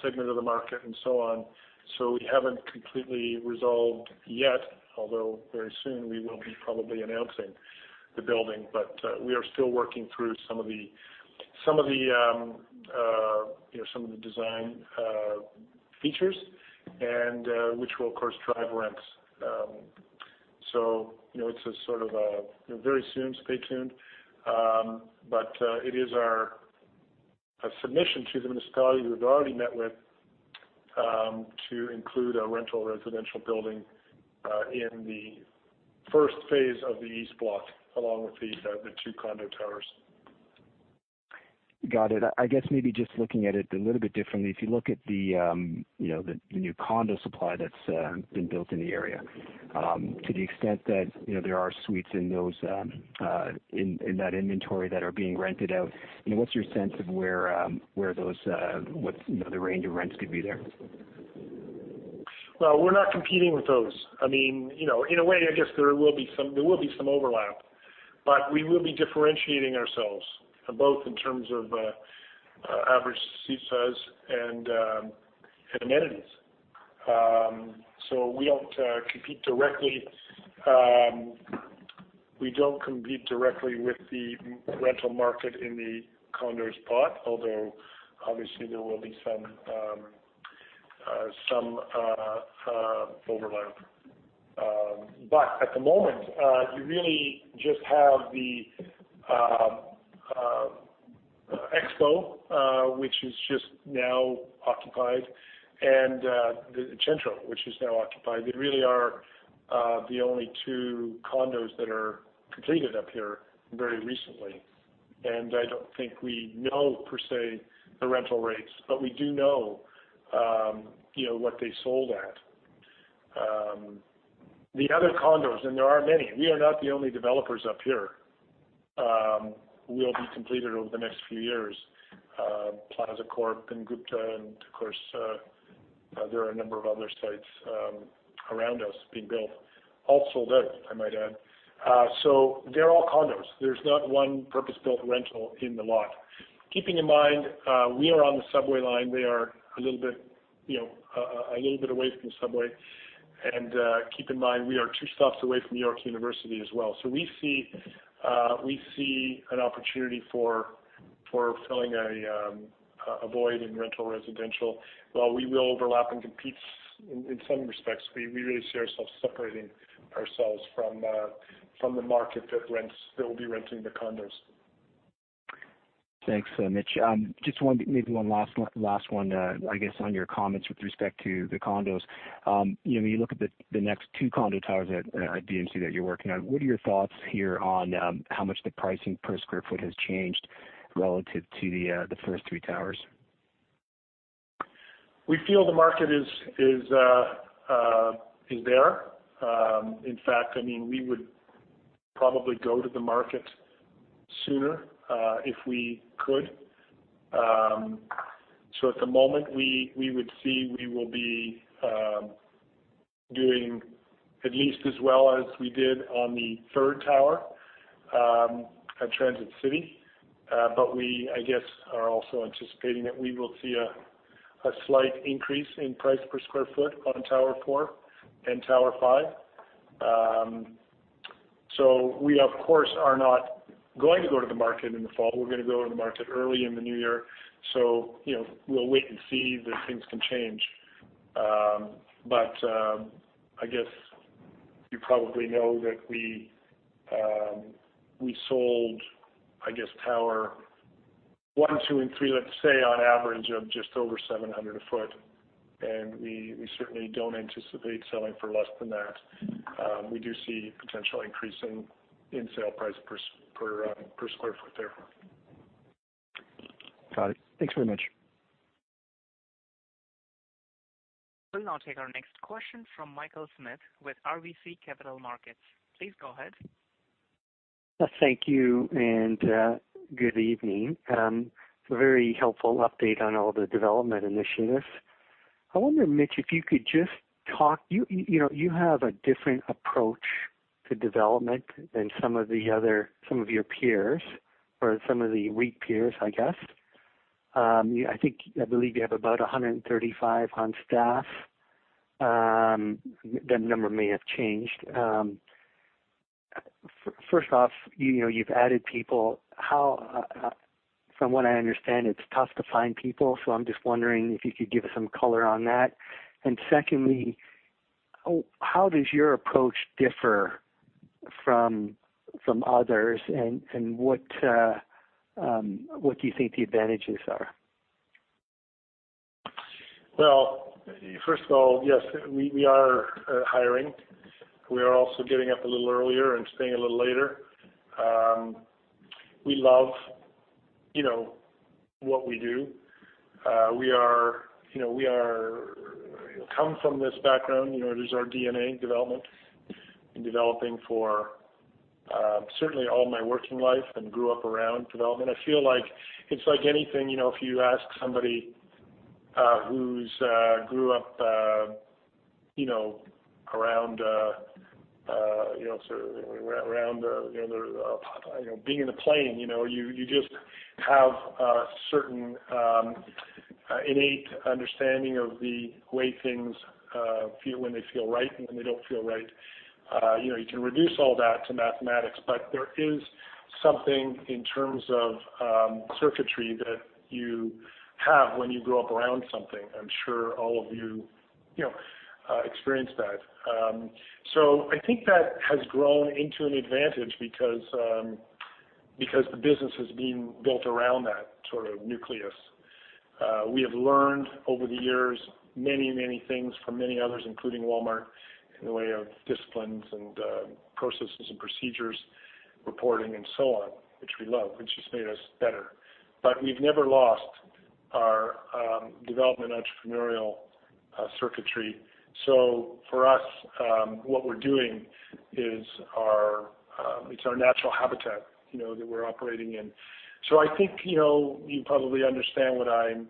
S3: segment of the market and so on. We haven't completely resolved yet, although very soon we will be probably announcing the building. We are still working through some of the design features and which will, of course, drive rents. Very soon, stay tuned. It is our submission to the municipality we've already met with, to include a rental residential building in the first phase of the East Block, along with the two condo towers.
S6: Got it. I guess maybe just looking at it a little bit differently. If you look at the new condo supply that's been built in the area, to the extent that there are suites in that inventory that are being rented out, what's your sense of where the range of rents could be there?
S3: We're not competing with those. In a way, I guess there will be some overlap, but we will be differentiating ourselves both in terms of average suite size and amenities. We don't compete directly with the rental market in the condos bought, although obviously there will be some overlap. At the moment, you really just have the Expo, which is just now occupied, and Centro, which is now occupied. They really are the only two condos that are completed up here very recently. I don't think we know per se the rental rates, but we do know what they sold at. The other condos, and there are many, we are not the only developers up here, will be completed over the next few years. Plazacorp and Gupta and of course, there are a number of other sites around us being built. All sold out, I might add. They're all condos. There's not one purpose-built rental in the lot. Keeping in mind, we are on the subway line. They are a little bit away from the subway. Keep in mind, we are two stops away from York University as well. We see an opportunity for filling a void in rental residential. While we will overlap and compete in some respects, we really see ourselves separating ourselves from the market that will be renting the condos.
S6: Thanks, Mitch. Just maybe one last one, I guess on your comments with respect to the condos. When you look at the next two condo towers at VMC that you're working on, what are your thoughts here on how much the pricing per square foot has changed relative to the first three towers?
S3: We feel the market is there. In fact, we would probably go to the market sooner if we could. At the moment we would see we will be doing at least as well as we did on the third tower at Transit City. We, I guess, are also anticipating that we will see a slight increase in price per square foot on tower four and tower five. We, of course, are not going to go to the market in the fall. We're going to go to the market early in the new year. We'll wait and see that things can change. I guess you probably know that we sold tower one, two, and three, let's say on average of just over 700 a foot, and we certainly don't anticipate selling for less than that. We do see potential increase in sale price per square foot there.
S6: Got it. Thanks very much.
S1: We'll now take our next question from Michael Smith with RBC Capital Markets. Please go ahead.
S7: Thank you, and good evening. Very helpful update on all the development initiatives. I wonder, Mitch, you have a different approach to development than some of your peers or some of the REIT peers, I guess. I believe you have about 135 on staff. That number may have changed. First off, you've added people. From what I understand, it's tough to find people, so I'm just wondering if you could give some color on that. Secondly, how does your approach differ from others, and what do you think the advantages are?
S3: First of all, yes, we are hiring. We are also getting up a little earlier and staying a little later. We love what we do. We come from this background, it's our DNA, development, and developing for certainly all my working life and grew up around development. I feel like it's like anything, if you ask somebody who grew up being in a plane, you just have a certain innate understanding of the way things feel when they feel right and when they don't feel right. You can reduce all that to mathematics, but there is something in terms of circuitry that you have when you grow up around something. I'm sure all of you experience that. I think that has grown into an advantage because the business has been built around that sort of nucleus. We have learned over the years many things from many others, including Walmart, in the way of disciplines and processes and procedures, reporting and so on, which we love, which has made us better. We've never lost our development entrepreneurial circuitry. For us, what we're doing is our natural habitat that we're operating in. I think you probably understand what I'm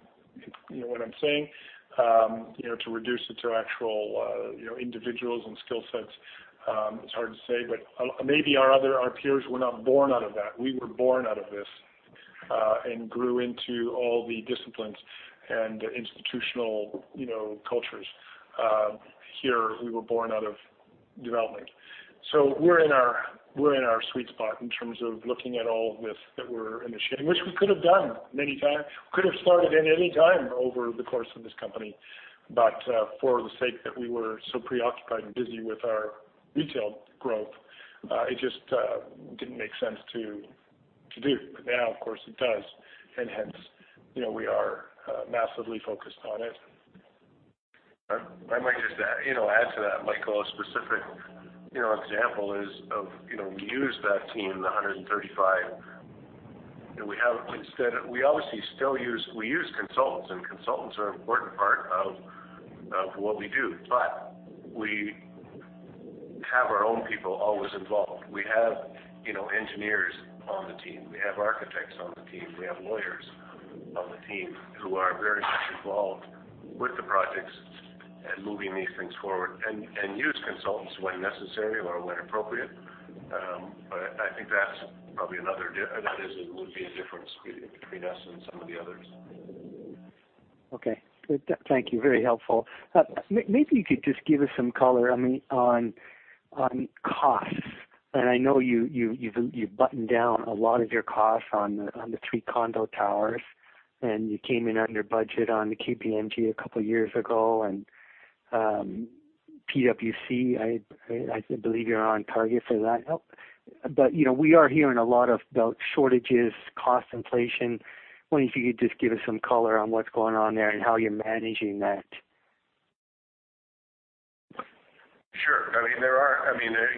S3: saying. To reduce it to actual individuals and skill sets, it's hard to say. Maybe our peers were not born out of that. We were born out of this, and grew into all the disciplines and institutional cultures. Here, we were born out of development. We're in our sweet spot in terms of looking at all of this that we're initiating, which we could have done many times. We could've started at any time over the course of this company. For the sake that we were so preoccupied and busy with our retail growth, it just didn't make sense to do. Now, of course, it does, and hence, we are massively focused on it.
S2: I might just add to that, Michael, a specific example is of we use that team, the 135. We obviously still use consultants, and consultants are an important part of what we do. We have our own people always involved. We have engineers on the team. We have architects on the team. We have lawyers on the team who are very much involved with the projects and moving these things forward, and use consultants when necessary or when appropriate. I think that would be a difference between us and some of the others.
S7: Okay. Thank you. Very helpful. Maybe you could just give us some color on costs. I know you've buttoned down a lot of your costs on the three condo towers, and you came in under budget on the KPMG a couple of years ago, and PwC, I believe you're on target for that help. We are hearing a lot about shortages, cost inflation. Wonder if you could just give us some color on what's going on there and how you're managing that.
S2: Sure.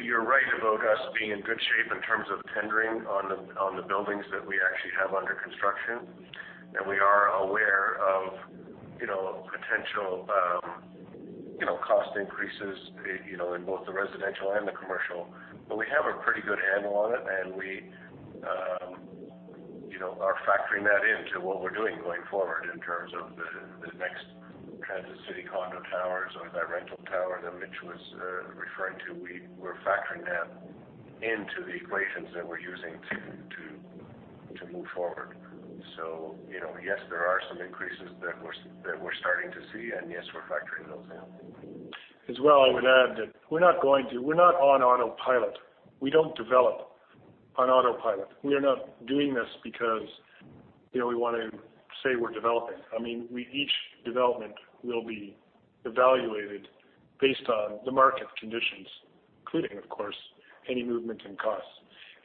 S2: You're right about us being in good shape in terms of tendering on the buildings that we actually have under construction. We are aware of potential cost increases in both the residential and the commercial. We have a pretty good handle on it, and we are factoring that into what we're doing going forward in terms of the next Transit City condo towers or that rental tower that Mitch was referring to. We're factoring that into the equations that we're using to move forward. Yes, there are some increases that we're starting to see, and yes, we're factoring those in.
S3: As well, I would add that we're not on autopilot. We don't develop on autopilot. We are not doing this because we want to say we're developing. Each development will be evaluated based on the market conditions, including, of course, any movement in costs.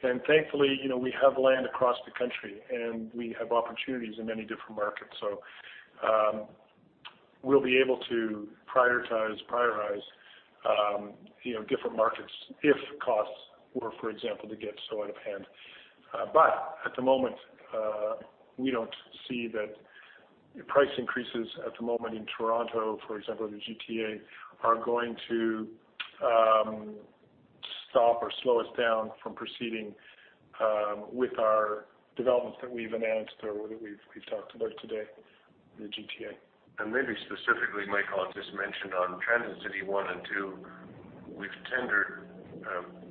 S3: Thankfully, we have land across the country, and we have opportunities in many different markets. We'll be able to prioritize different markets if costs were, for example, to get so out of hand. At the moment, we don't see that price increases at the moment in Toronto, for example, the GTA, are going to stop or slow us down from proceeding with our developments that we've announced or that we've talked about today in the GTA.
S2: Maybe specifically, Michael, I'll just mention on Transit City one and two, we've tendered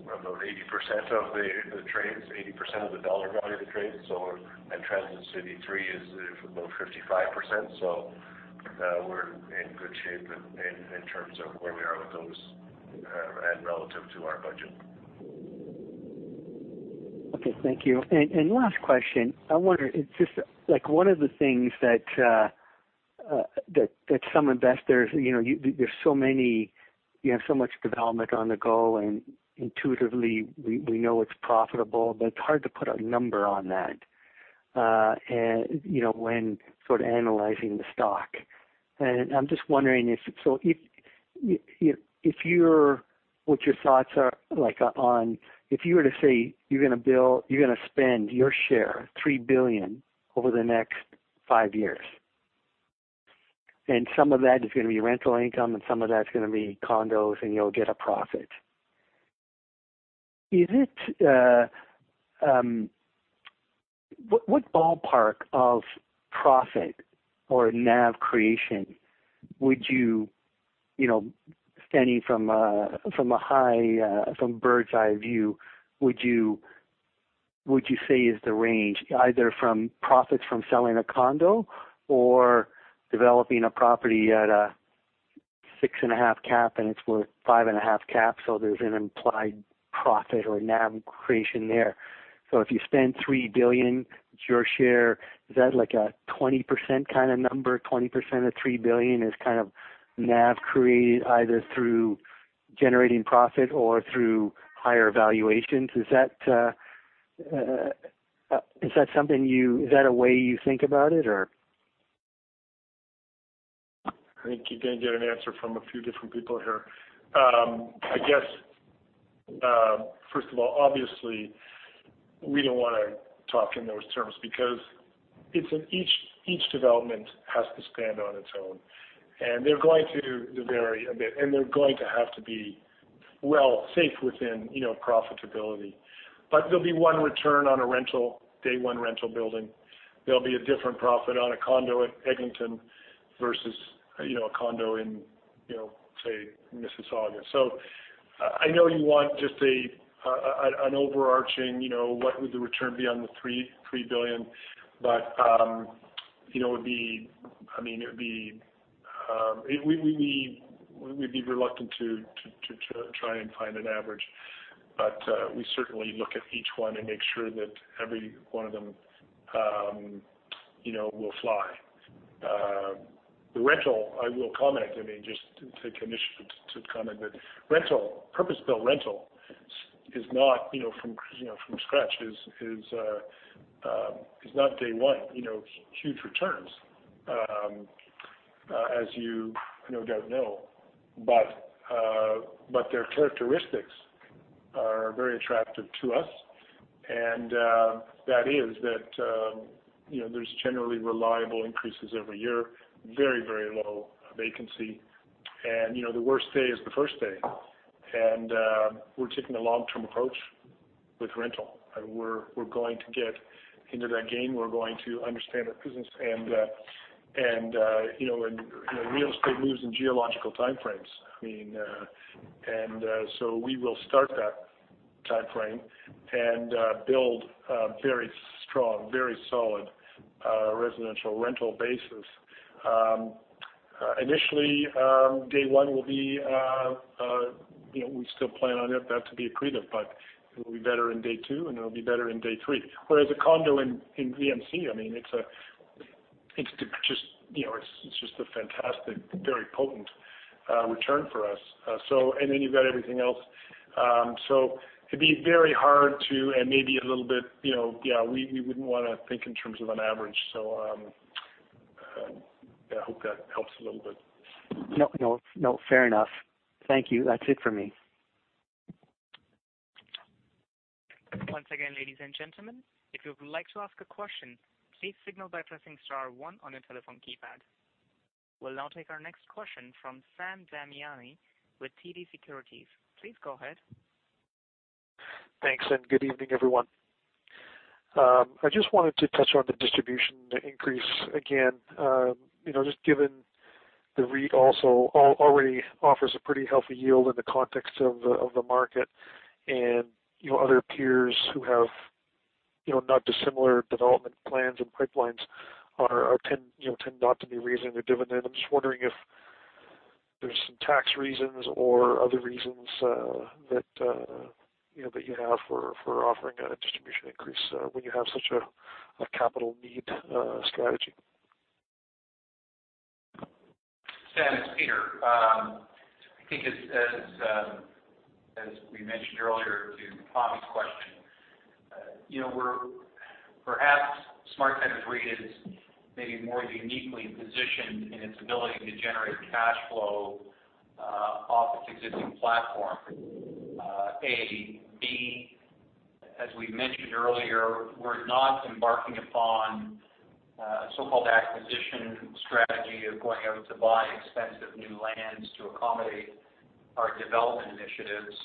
S2: about 80% of the trades, 80% of the dollar value of the trades. At Transit City three is about 55%. We're in good shape in terms of where we are with those and relative to our budget.
S7: Okay, thank you. Last question. I wonder, one of the things that some investors. You have so much development on the go, intuitively, we know it's profitable, but it's hard to put a number on that when analyzing the stock. I'm just wondering, what your thoughts are on, if you were to say you're going to spend your share, 3 billion, over the next 5 years. Some of that is going to be rental income, some of that's going to be condos, and you'll get a profit. What ballpark of profit or NAV creation would you, standing from a bird's-eye view, would you say is the range, either from profits from selling a condo or developing a property at a 6.5 cap, and it's worth a 5.5 cap, so there's an implied profit or NAV creation there. If you spend 3 billion, it's your share, is that like a 20% kind of number? 20% of 3 billion is kind of NAV created either through generating profit or through higher valuations. Is that a way you think about it?
S3: I think you're going to get an answer from a few different people here. I guess, first of all, obviously, we don't want to talk in those terms because each development has to stand on its own, and they're going to vary a bit. They're going to have to be, well, safe within profitability. There'll be one return on a day-one rental building. There'll be a different profit on a condo at Eglinton versus a condo in, say, Mississauga. I know you want just an overarching, what would the return be on the CAD 3 billion, we'd be reluctant to try and find an average. We certainly look at each one and make sure that every one of them will fly. The rental, I will comment, I mean, just to take initiative to comment that purpose-built rental from scratch is not day one, huge returns. As you, no doubt know. Their characteristics are very attractive to us, that is that there's generally reliable increases every year, very low vacancy, and the worst day is the first day. We're taking a long-term approach with rental. We're going to get into that game. We're going to understand that business. Real estate moves in geological time frames. We will start that time frame and build a very strong, very solid residential rental basis. Initially, day one will be. We still plan on that to be accretive, it will be better in day two, and it'll be better in day three. A condo in VMC, it's just a fantastic, very potent return for us. Then you've got everything else. It'd be very hard to, and maybe a little bit, we wouldn't want to think in terms of an average. I hope that helps a little bit.
S7: No, fair enough. Thank you. That's it for me.
S1: Once again, ladies and gentlemen, if you would like to ask a question, please signal by pressing star 1 on your telephone keypad. We'll now take our next question from Sam Damiani with TD Securities. Please go ahead.
S8: Thanks, and good evening, everyone. I just wanted to touch on the distribution increase again. Just given the REIT also already offers a pretty healthy yield in the context of the market, and other peers who have not dissimilar development plans and pipelines tend not to be raising their dividend. I'm just wondering if there's some tax reasons or other reasons that you have for offering a distribution increase when you have such a capital need strategy.
S4: Sam, it's Peter. I think as we mentioned earlier to Pammi's question. Perhaps SmartCentres REIT is maybe more uniquely positioned in its ability to generate cash flow off its existing platform, A. B, as we mentioned earlier, we're not embarking upon a so-called acquisition strategy of going out to buy expensive new lands to accommodate our development initiatives.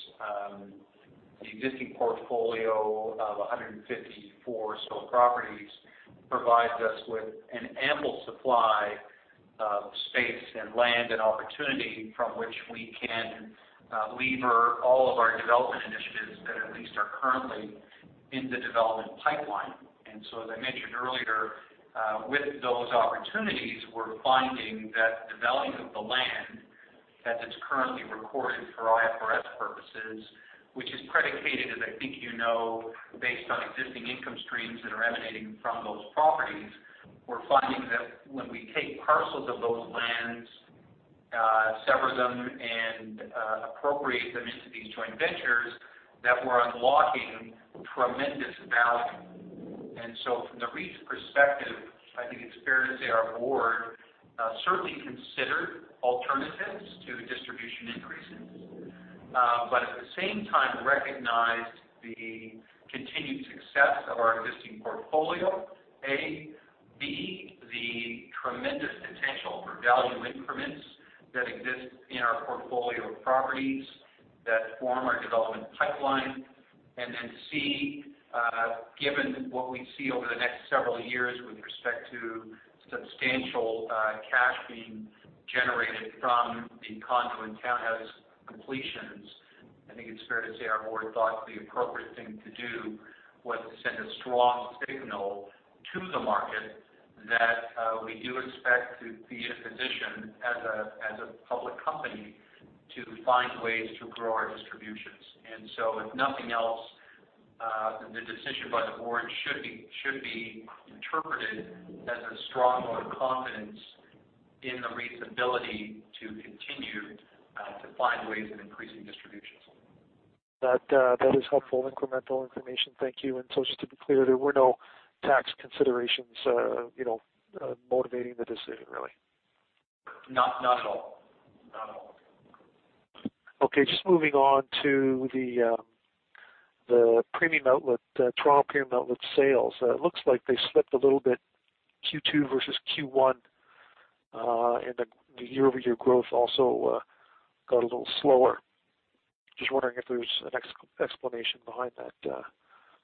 S4: The existing portfolio of 154 store properties provides us with an ample supply of space and land and opportunity from which we can lever all of our development initiatives that at least are currently in the development pipeline. As I mentioned earlier, with those opportunities, we're finding that the value of the land as it's currently recorded for IFR- IFRS, which is predicated, as I think you know, based on existing income streams that are emanating from those properties. We're finding that when we take parcels of those lands, sever them, and appropriate them into these joint ventures, that we're unlocking tremendous value. From the REIT's perspective, I think it's fair to say our board certainly considered alternatives to distribution increases. At the same time, recognized the continued success of our existing portfolio, A. B, the tremendous potential for value increments that exist in our portfolio of properties that form our development pipeline. C, given what we see over the next several years with respect to substantial cash being generated from the condo and townhouse completions, I think it's fair to say our board thought the appropriate thing to do was to send a strong signal to the market that we do expect to be in a position as a public company to find ways to grow our distributions. If nothing else, the decision by the board should be interpreted as a strong vote of confidence in the REIT's ability to continue to find ways of increasing distributions.
S8: That is helpful, incremental information. Thank you. Just to be clear, there were no tax considerations motivating the decision, really.
S9: Not at all.
S8: Okay. Just moving on to the Premium Outlet, the Toronto Premium Outlets sales. It looks like they slipped a little bit Q2 versus Q1. The year-over-year growth also got a little slower. Just wondering if there's an explanation behind that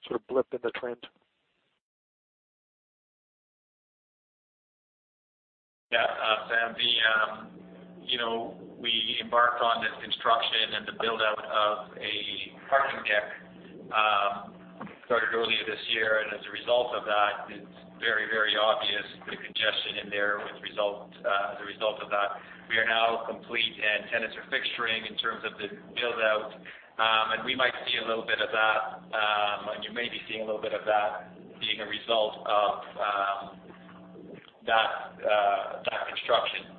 S8: sort of blip in the trend.
S9: Yeah. Sam, we embarked on this construction and the build-out of a parking deck, started earlier this year. As a result of that, it's very obvious, the congestion in there as a result of that. We are now complete, and tenants are fixturing in terms of the build-out. We might see a little bit of that, and you may be seeing a little bit of that being a result of that construction.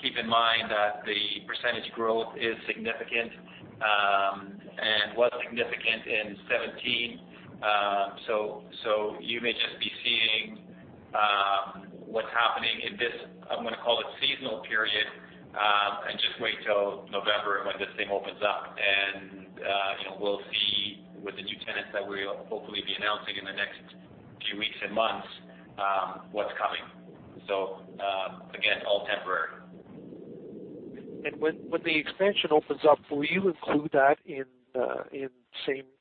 S9: Keep in mind that the percentage growth is significant, and was significant in 2017. You may just be seeing what's happening in this, I'm going to call it seasonal period, and just wait till November when this thing opens up. We'll see with the new tenants that we'll hopefully be announcing in the next few weeks and months, what's coming. Again, all temporary.
S8: When the expansion opens up, will you include that in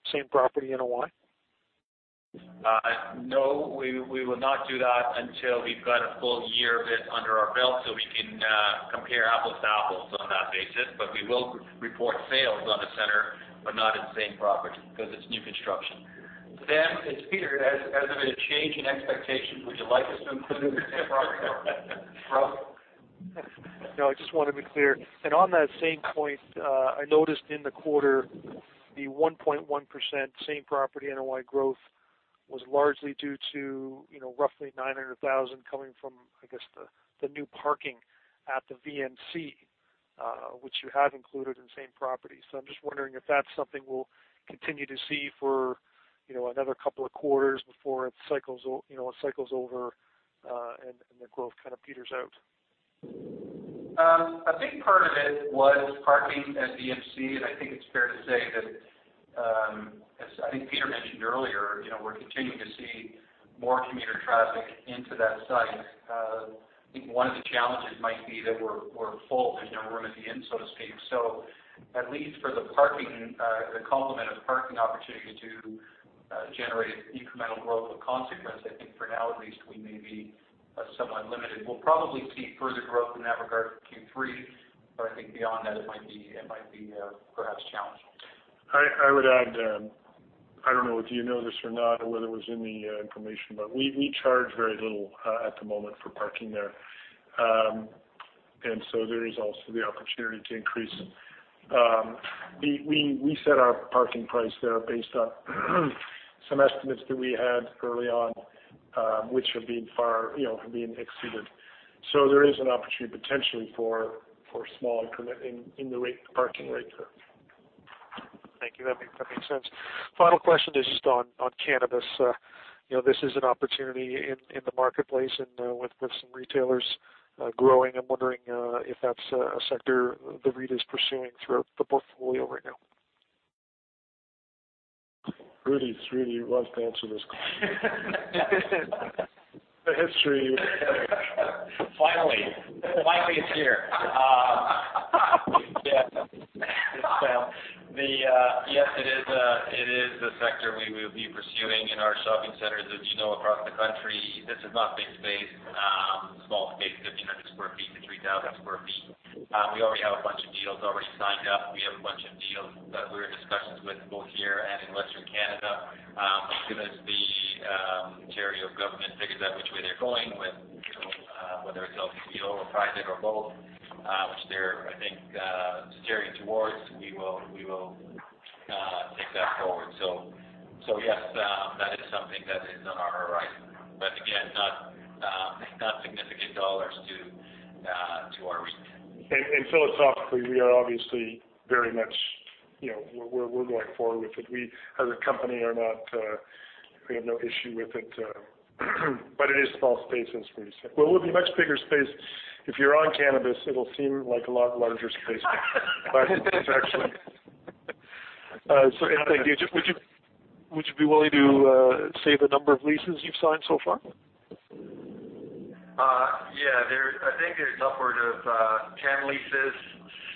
S8: same-property NOI?
S9: No, we will not do that until we've got a full year of it under our belt, so we can compare apples to apples on that basis. We will report sales on the center, not in same property because it's new construction.
S4: Sam, it's Peter. A bit of change in expectations, would you like us to include it in the same property NOI?
S8: No, I just want to be clear. On that same point, I noticed in the quarter the 1.1% same property NOI growth was largely due to roughly 900,000 coming from, I guess, the new parking at the VMC, which you have included in same property. I'm just wondering if that's something we'll continue to see for another couple of quarters before it cycles over, and the growth kind of peters out.
S9: A big part of it was parking at VMC. I think it's fair to say that, as I think Peter mentioned earlier, we're continuing to see more commuter traffic into that site. I think one of the challenges might be that we're full. There's no room at the inn, so to speak. At least for the parking, the complement of parking opportunities to generate incremental growth of consequence, I think for now at least, we may be somewhat limited. We'll probably see further growth in that regard for Q3. I think beyond that it might be perhaps challenged.
S3: I would add, I don't know if you know this or not, or whether it was in the information, we charge very little at the moment for parking there. There is also the opportunity to increase. We set our parking price there based on some estimates that we had early on, which have been far exceeded. There is an opportunity potentially for a small increment in the parking rate there.
S8: Thank you. That makes sense. Final question is just on cannabis. This is an opportunity in the marketplace and with some retailers growing. I am wondering if that is a sector the REIT is pursuing throughout the portfolio right now.
S3: Rudy would love to answer this question. The history.
S9: Finally, finally, it is here. Yes, Sam. Yes, it is a sector we will be pursuing in our shopping centers, as you know, across the country. This is not big space, small space, 1,500 square feet to 3,000 square feet. We already have a bunch of deals already signed up. We have a bunch of deals that we are in discussions with both here and in Western Canada. Given the Ontario government Whether it is a deal or private or both, which they are, I think, steering towards, we will take that forward. Yes, that is something that is on our horizon. Again, not significant CAD to our REIT.
S3: Philosophically, we are obviously going forward with it. We, as a company, we have no issue with it. It is small space, as Rudy said. Well, it would be much bigger space. If you are on cannabis, it will seem like a lot larger space. It is actually anything, would you be willing to say the number of leases you have signed so far?
S9: Yeah. I think there's upward of 10 leases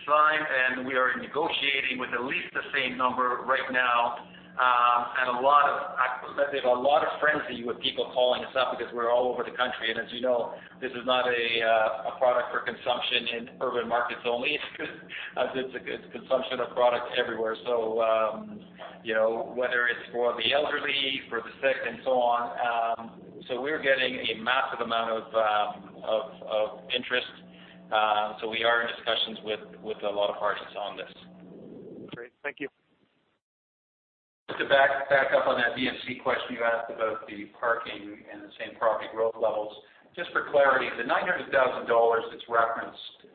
S9: signed, and we are negotiating with at least the same number right now. There's a lot of frenzy with people calling us up because we're all over the country. As you know, this is not a product for consumption in urban markets only. It's consumption of product everywhere. Whether it's for the elderly, for the sick and so on. We're getting a massive amount of interest. We are in discussions with a lot of parties on this.
S8: Great. Thank you.
S4: To back up on that VMC question you asked about the parking and the same property growth levels, just for clarity, the 900,000 dollars that's referenced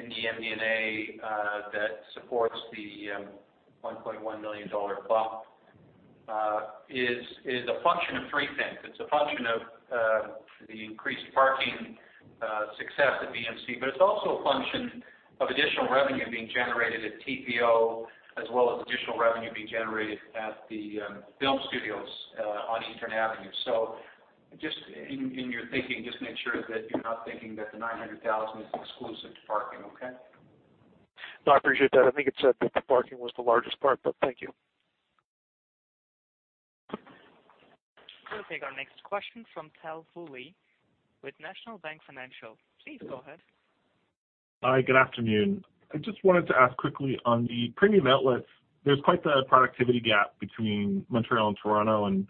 S4: in the MD&A, that supports the 1.1 million dollar bump, is a function of three things. It's a function of the increased parking success at VMC, it's also a function of additional revenue being generated at TPO, as well as additional revenue being generated at the film studios on Eastern Avenue. Just in your thinking, just make sure that you're not thinking that the 900,000 is exclusive to parking, okay?
S8: No, I appreciate that. I think it said that the parking was the largest part, thank you.
S1: We'll take our next question from Tal Woolley with National Bank Financial. Please go ahead.
S10: Hi, good afternoon. I just wanted to ask quickly on the premium outlets, there's quite the productivity gap between Montreal and Toronto, and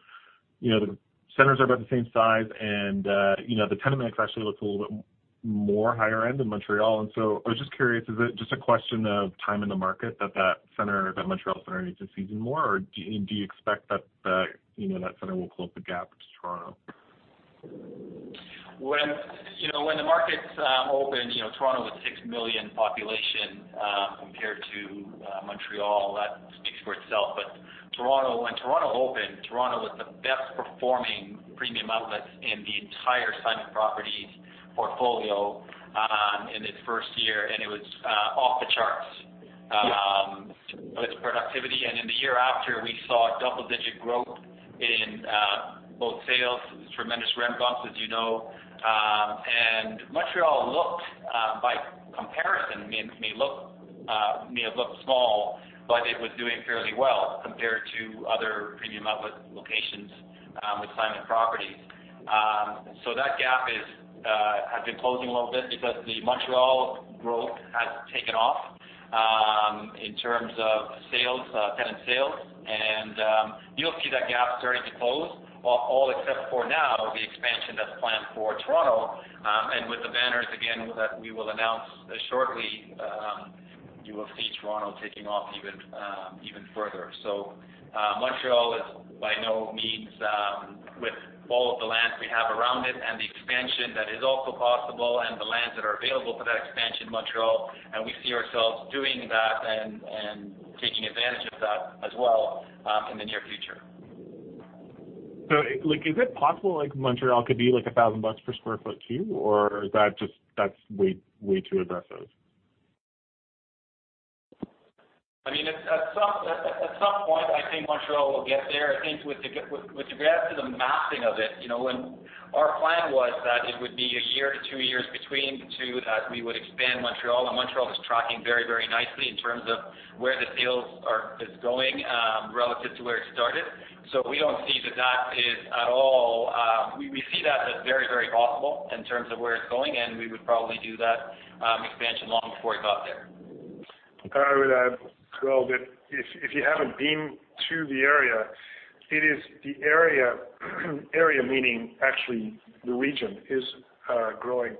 S10: the centers are about the same size, and the tenant mix actually looks a little bit more higher end in Montreal. I was just curious, is it just a question of time in the market that Montreal center needs to season more? Do you expect that center will close the gap to Toronto?
S9: When the markets opened, Toronto with 6 million population, compared to Montreal, that speaks for itself. When Toronto opened, Toronto was the best performing premium outlet in the entire Simon Property Group portfolio, in its first year, and it was off the charts.
S10: Yeah
S9: With its productivity. In the year after, we saw double-digit growth in both sales, tremendous rent bumps, as you know. Montreal looked, by comparison, may have looked small, but it was doing fairly well compared to other premium outlet locations with Simon Property Group. That gap has been closing a little bit because the Montreal growth has taken off, in terms of tenant sales. You'll see that gap starting to close, all except for now, the expansion that's planned for Toronto. With the banners again, that we will announce shortly, you will see Toronto taking off even further. Montreal is by no means, with all of the lands we have around it and the expansion that is also possible and the lands that are available for that expansion in Montreal, and we see ourselves doing that and taking advantage of that as well, in the near future.
S10: Is it possible Montreal could be like 1,000 bucks per sq ft too, or is that just way too aggressive?
S9: At some point, I think Montreal will get there. I think with regards to the mapping of it, when our plan was that it would be one year to two years between the two that we would expand Montreal. Montreal is tracking very nicely in terms of where the sales is going, relative to where it started. We see that as very possible in terms of where it's going, and we would probably do that expansion long before it got there.
S3: I would add, Tal, that if you haven't been to the area, it is the area, meaning actually the region, is growing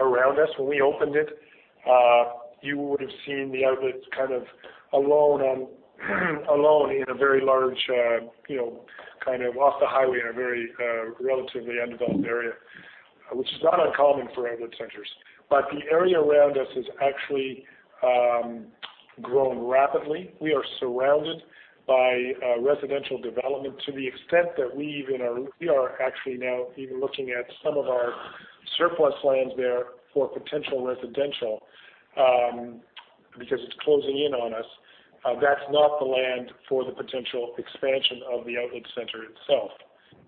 S3: around us. When we opened it, you would've seen the outlets kind of alone in a very large, off the highway in a very relatively undeveloped area, which is not uncommon for outlet centers. The area around us has actually grown rapidly. We are surrounded by residential development to the extent that we are actually now even looking at some of our surplus lands there for potential residential, because it's closing in on us. That's not the land for the potential expansion of the outlet center itself.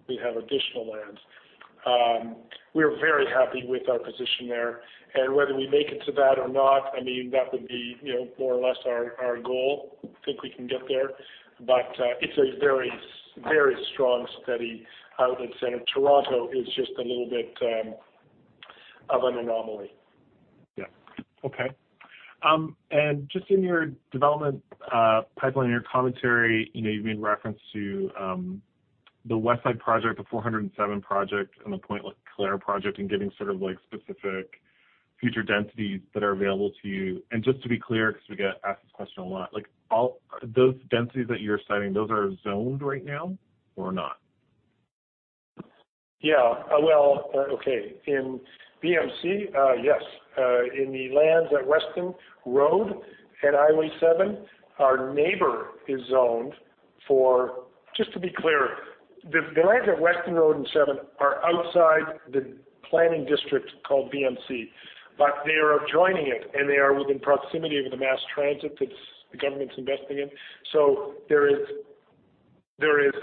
S3: We have additional lands. We're very happy with our position there. Whether we make it to that or not, that would be more or less our goal. I think we can get there. It's a very strong, steady outlet center. Toronto is just a little bit of an anomaly.
S10: Just in your development pipeline, your commentary, you've made reference to the Westside project, the 401 project, and the Pointe-Claire project, and giving specific future densities that are available to you. Just to be clear, because we get asked this question a lot, those densities that you're citing, those are zoned right now or not?
S3: In VMC, yes. In the lands at Weston Road at Highway 7, our neighbor is zoned for. Just to be clear, the lands at Weston Road and 7 are outside the planning district called VMC. They are adjoining it, and they are within proximity of the mass transit that the government's investing in. There is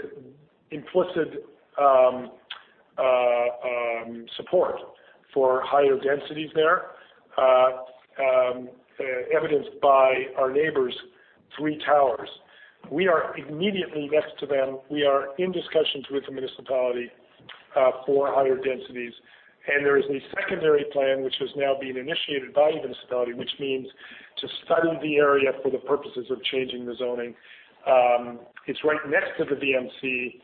S3: implicit support for higher densities there, evidenced by our neighbor's three towers. We are immediately next to them. We are in discussions with the municipality for higher densities. There is a secondary plan which has now been initiated by the municipality, which means to study the area for the purposes of changing the zoning. It's right next to the VMC.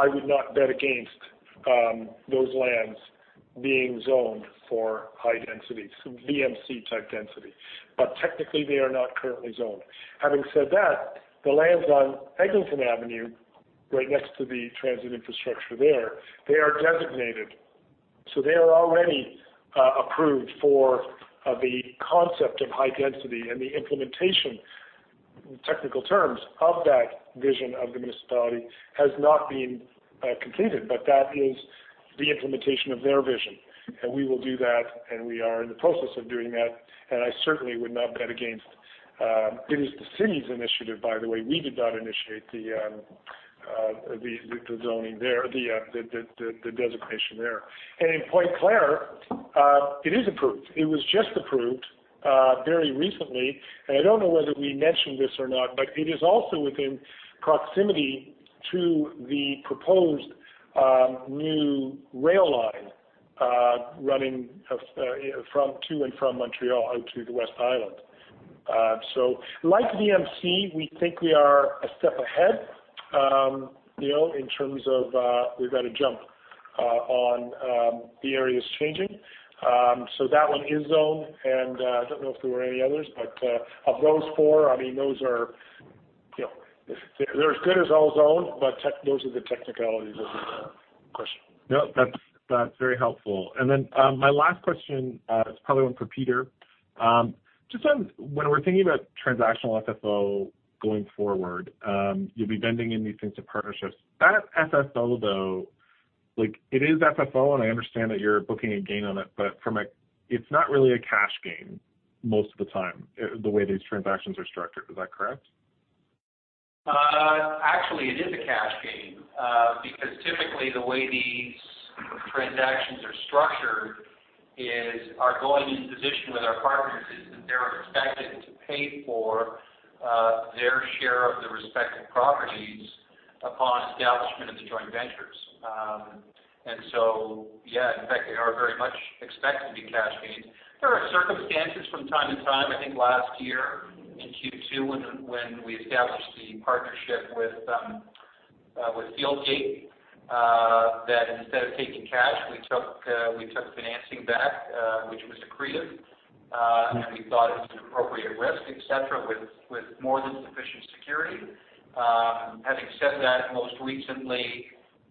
S3: I would not bet against those lands being zoned for high density, so VMC-type density. Technically, they are not currently zoned. Having said that, the lands on Eglinton Avenue, right next to the transit infrastructure there, they are designated. They are already approved for the concept of high density and the implementation, in technical terms, of that vision of the municipality has not been completed. That is the implementation of their vision, and we will do that, and we are in the process of doing that, and I certainly would not bet against. It is the city's initiative, by the way. We did not initiate the designation there. In Pointe-Claire, it is approved. It was just approved very recently. I don't know whether we mentioned this or not, but it is also within proximity to the proposed new rail line running to and from Montreal out to the West Island. Like VMC, we think we are a step ahead, in terms of we've got a jump on the areas changing. That one is zoned, I don't know if there were any others. Of those four, they're as good as all zoned, but those are the technicalities of it there.
S10: Got it. That's very helpful. Then my last question is probably one for Peter. Just on when we're thinking about transactional FFO going forward, you'll be vending in these things to partnerships. That FFO, though, it is FFO, I understand that you're booking a gain on it's not really a cash gain most of the time, the way these transactions are structured. Is that correct?
S4: Actually, it is a cash gain. Typically, the way these transactions are structured is, our going-in position with our partners is that they're expected to pay for their share of the respective properties upon establishment of the joint ventures. Yeah, in fact, they are very much expected to be cash gains. There are circumstances from time to time. I think last year in Q2 when we established the partnership with Fieldgate, that instead of taking cash, we took financing back, which was accretive. We thought it was an appropriate risk, et cetera, with more than sufficient security. Having said that, most recently,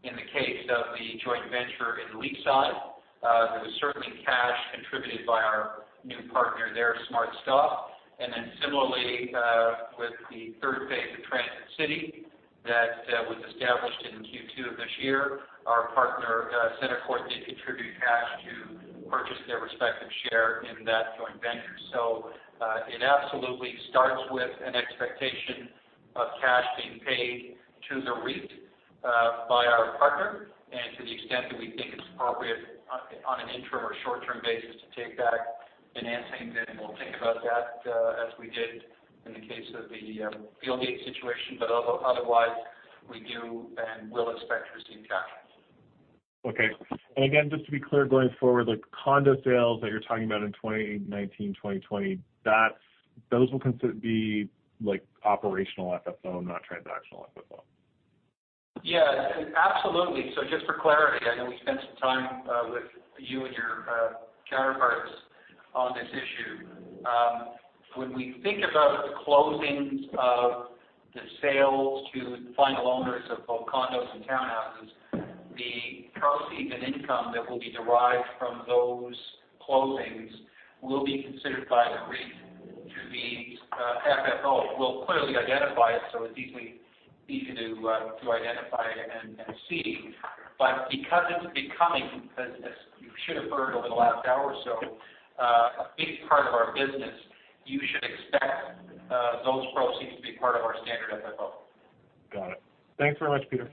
S4: in the case of the joint venture in Leaside, there was certainly cash contributed by our new partner there, SmartStop. Similarly, with the third phase of Transit City that was established in Q2 of this year, our partner, CentreCourt, did contribute cash to purchase their respective share in that joint venture. It absolutely starts with an expectation of cash being paid to the REIT by our partner. To the extent that we think it's appropriate on an interim or short-term basis to take back financing, then we'll think about that as we did in the case of the Fieldgate situation. Otherwise, we do and will expect to receive cash.
S10: Again, just to be clear, going forward, the condo sales that you're talking about in 2019, 2020, those will be operational FFO, not transactional FFO.
S4: Yeah. Absolutely. Just for clarity, I know we spent some time with you and your counterparts on this issue. When we think about the closings of the sales to final owners of both condos and townhouses, the proceeds and income that will be derived from those closings will be considered by the REIT to be FFO. We'll clearly identify it so it's easy to identify and see. Because it's becoming, as you should have heard over the last hour or so, a big part of our business, you should expect those proceeds to be part of our standard FFO.
S10: Got it. Thanks very much, Peter.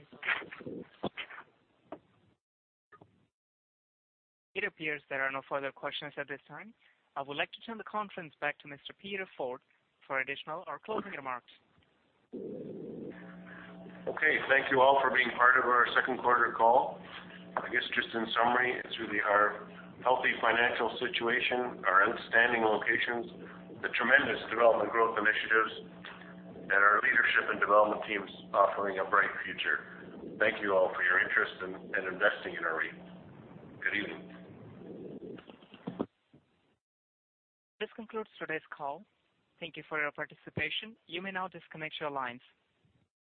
S1: It appears there are no further questions at this time. I would like to turn the conference back to Mr. Peter Forde for additional or closing remarks.
S2: Okay. Thank you all for being part of our second quarter call. I guess just in summary, it is really our healthy financial situation, our outstanding locations, the tremendous development growth initiatives, and our leadership and development teams offering a bright future. Thank you all for your interest in investing in our REIT. Good evening.
S1: This concludes today's call. Thank you for your participation. You may now disconnect your lines.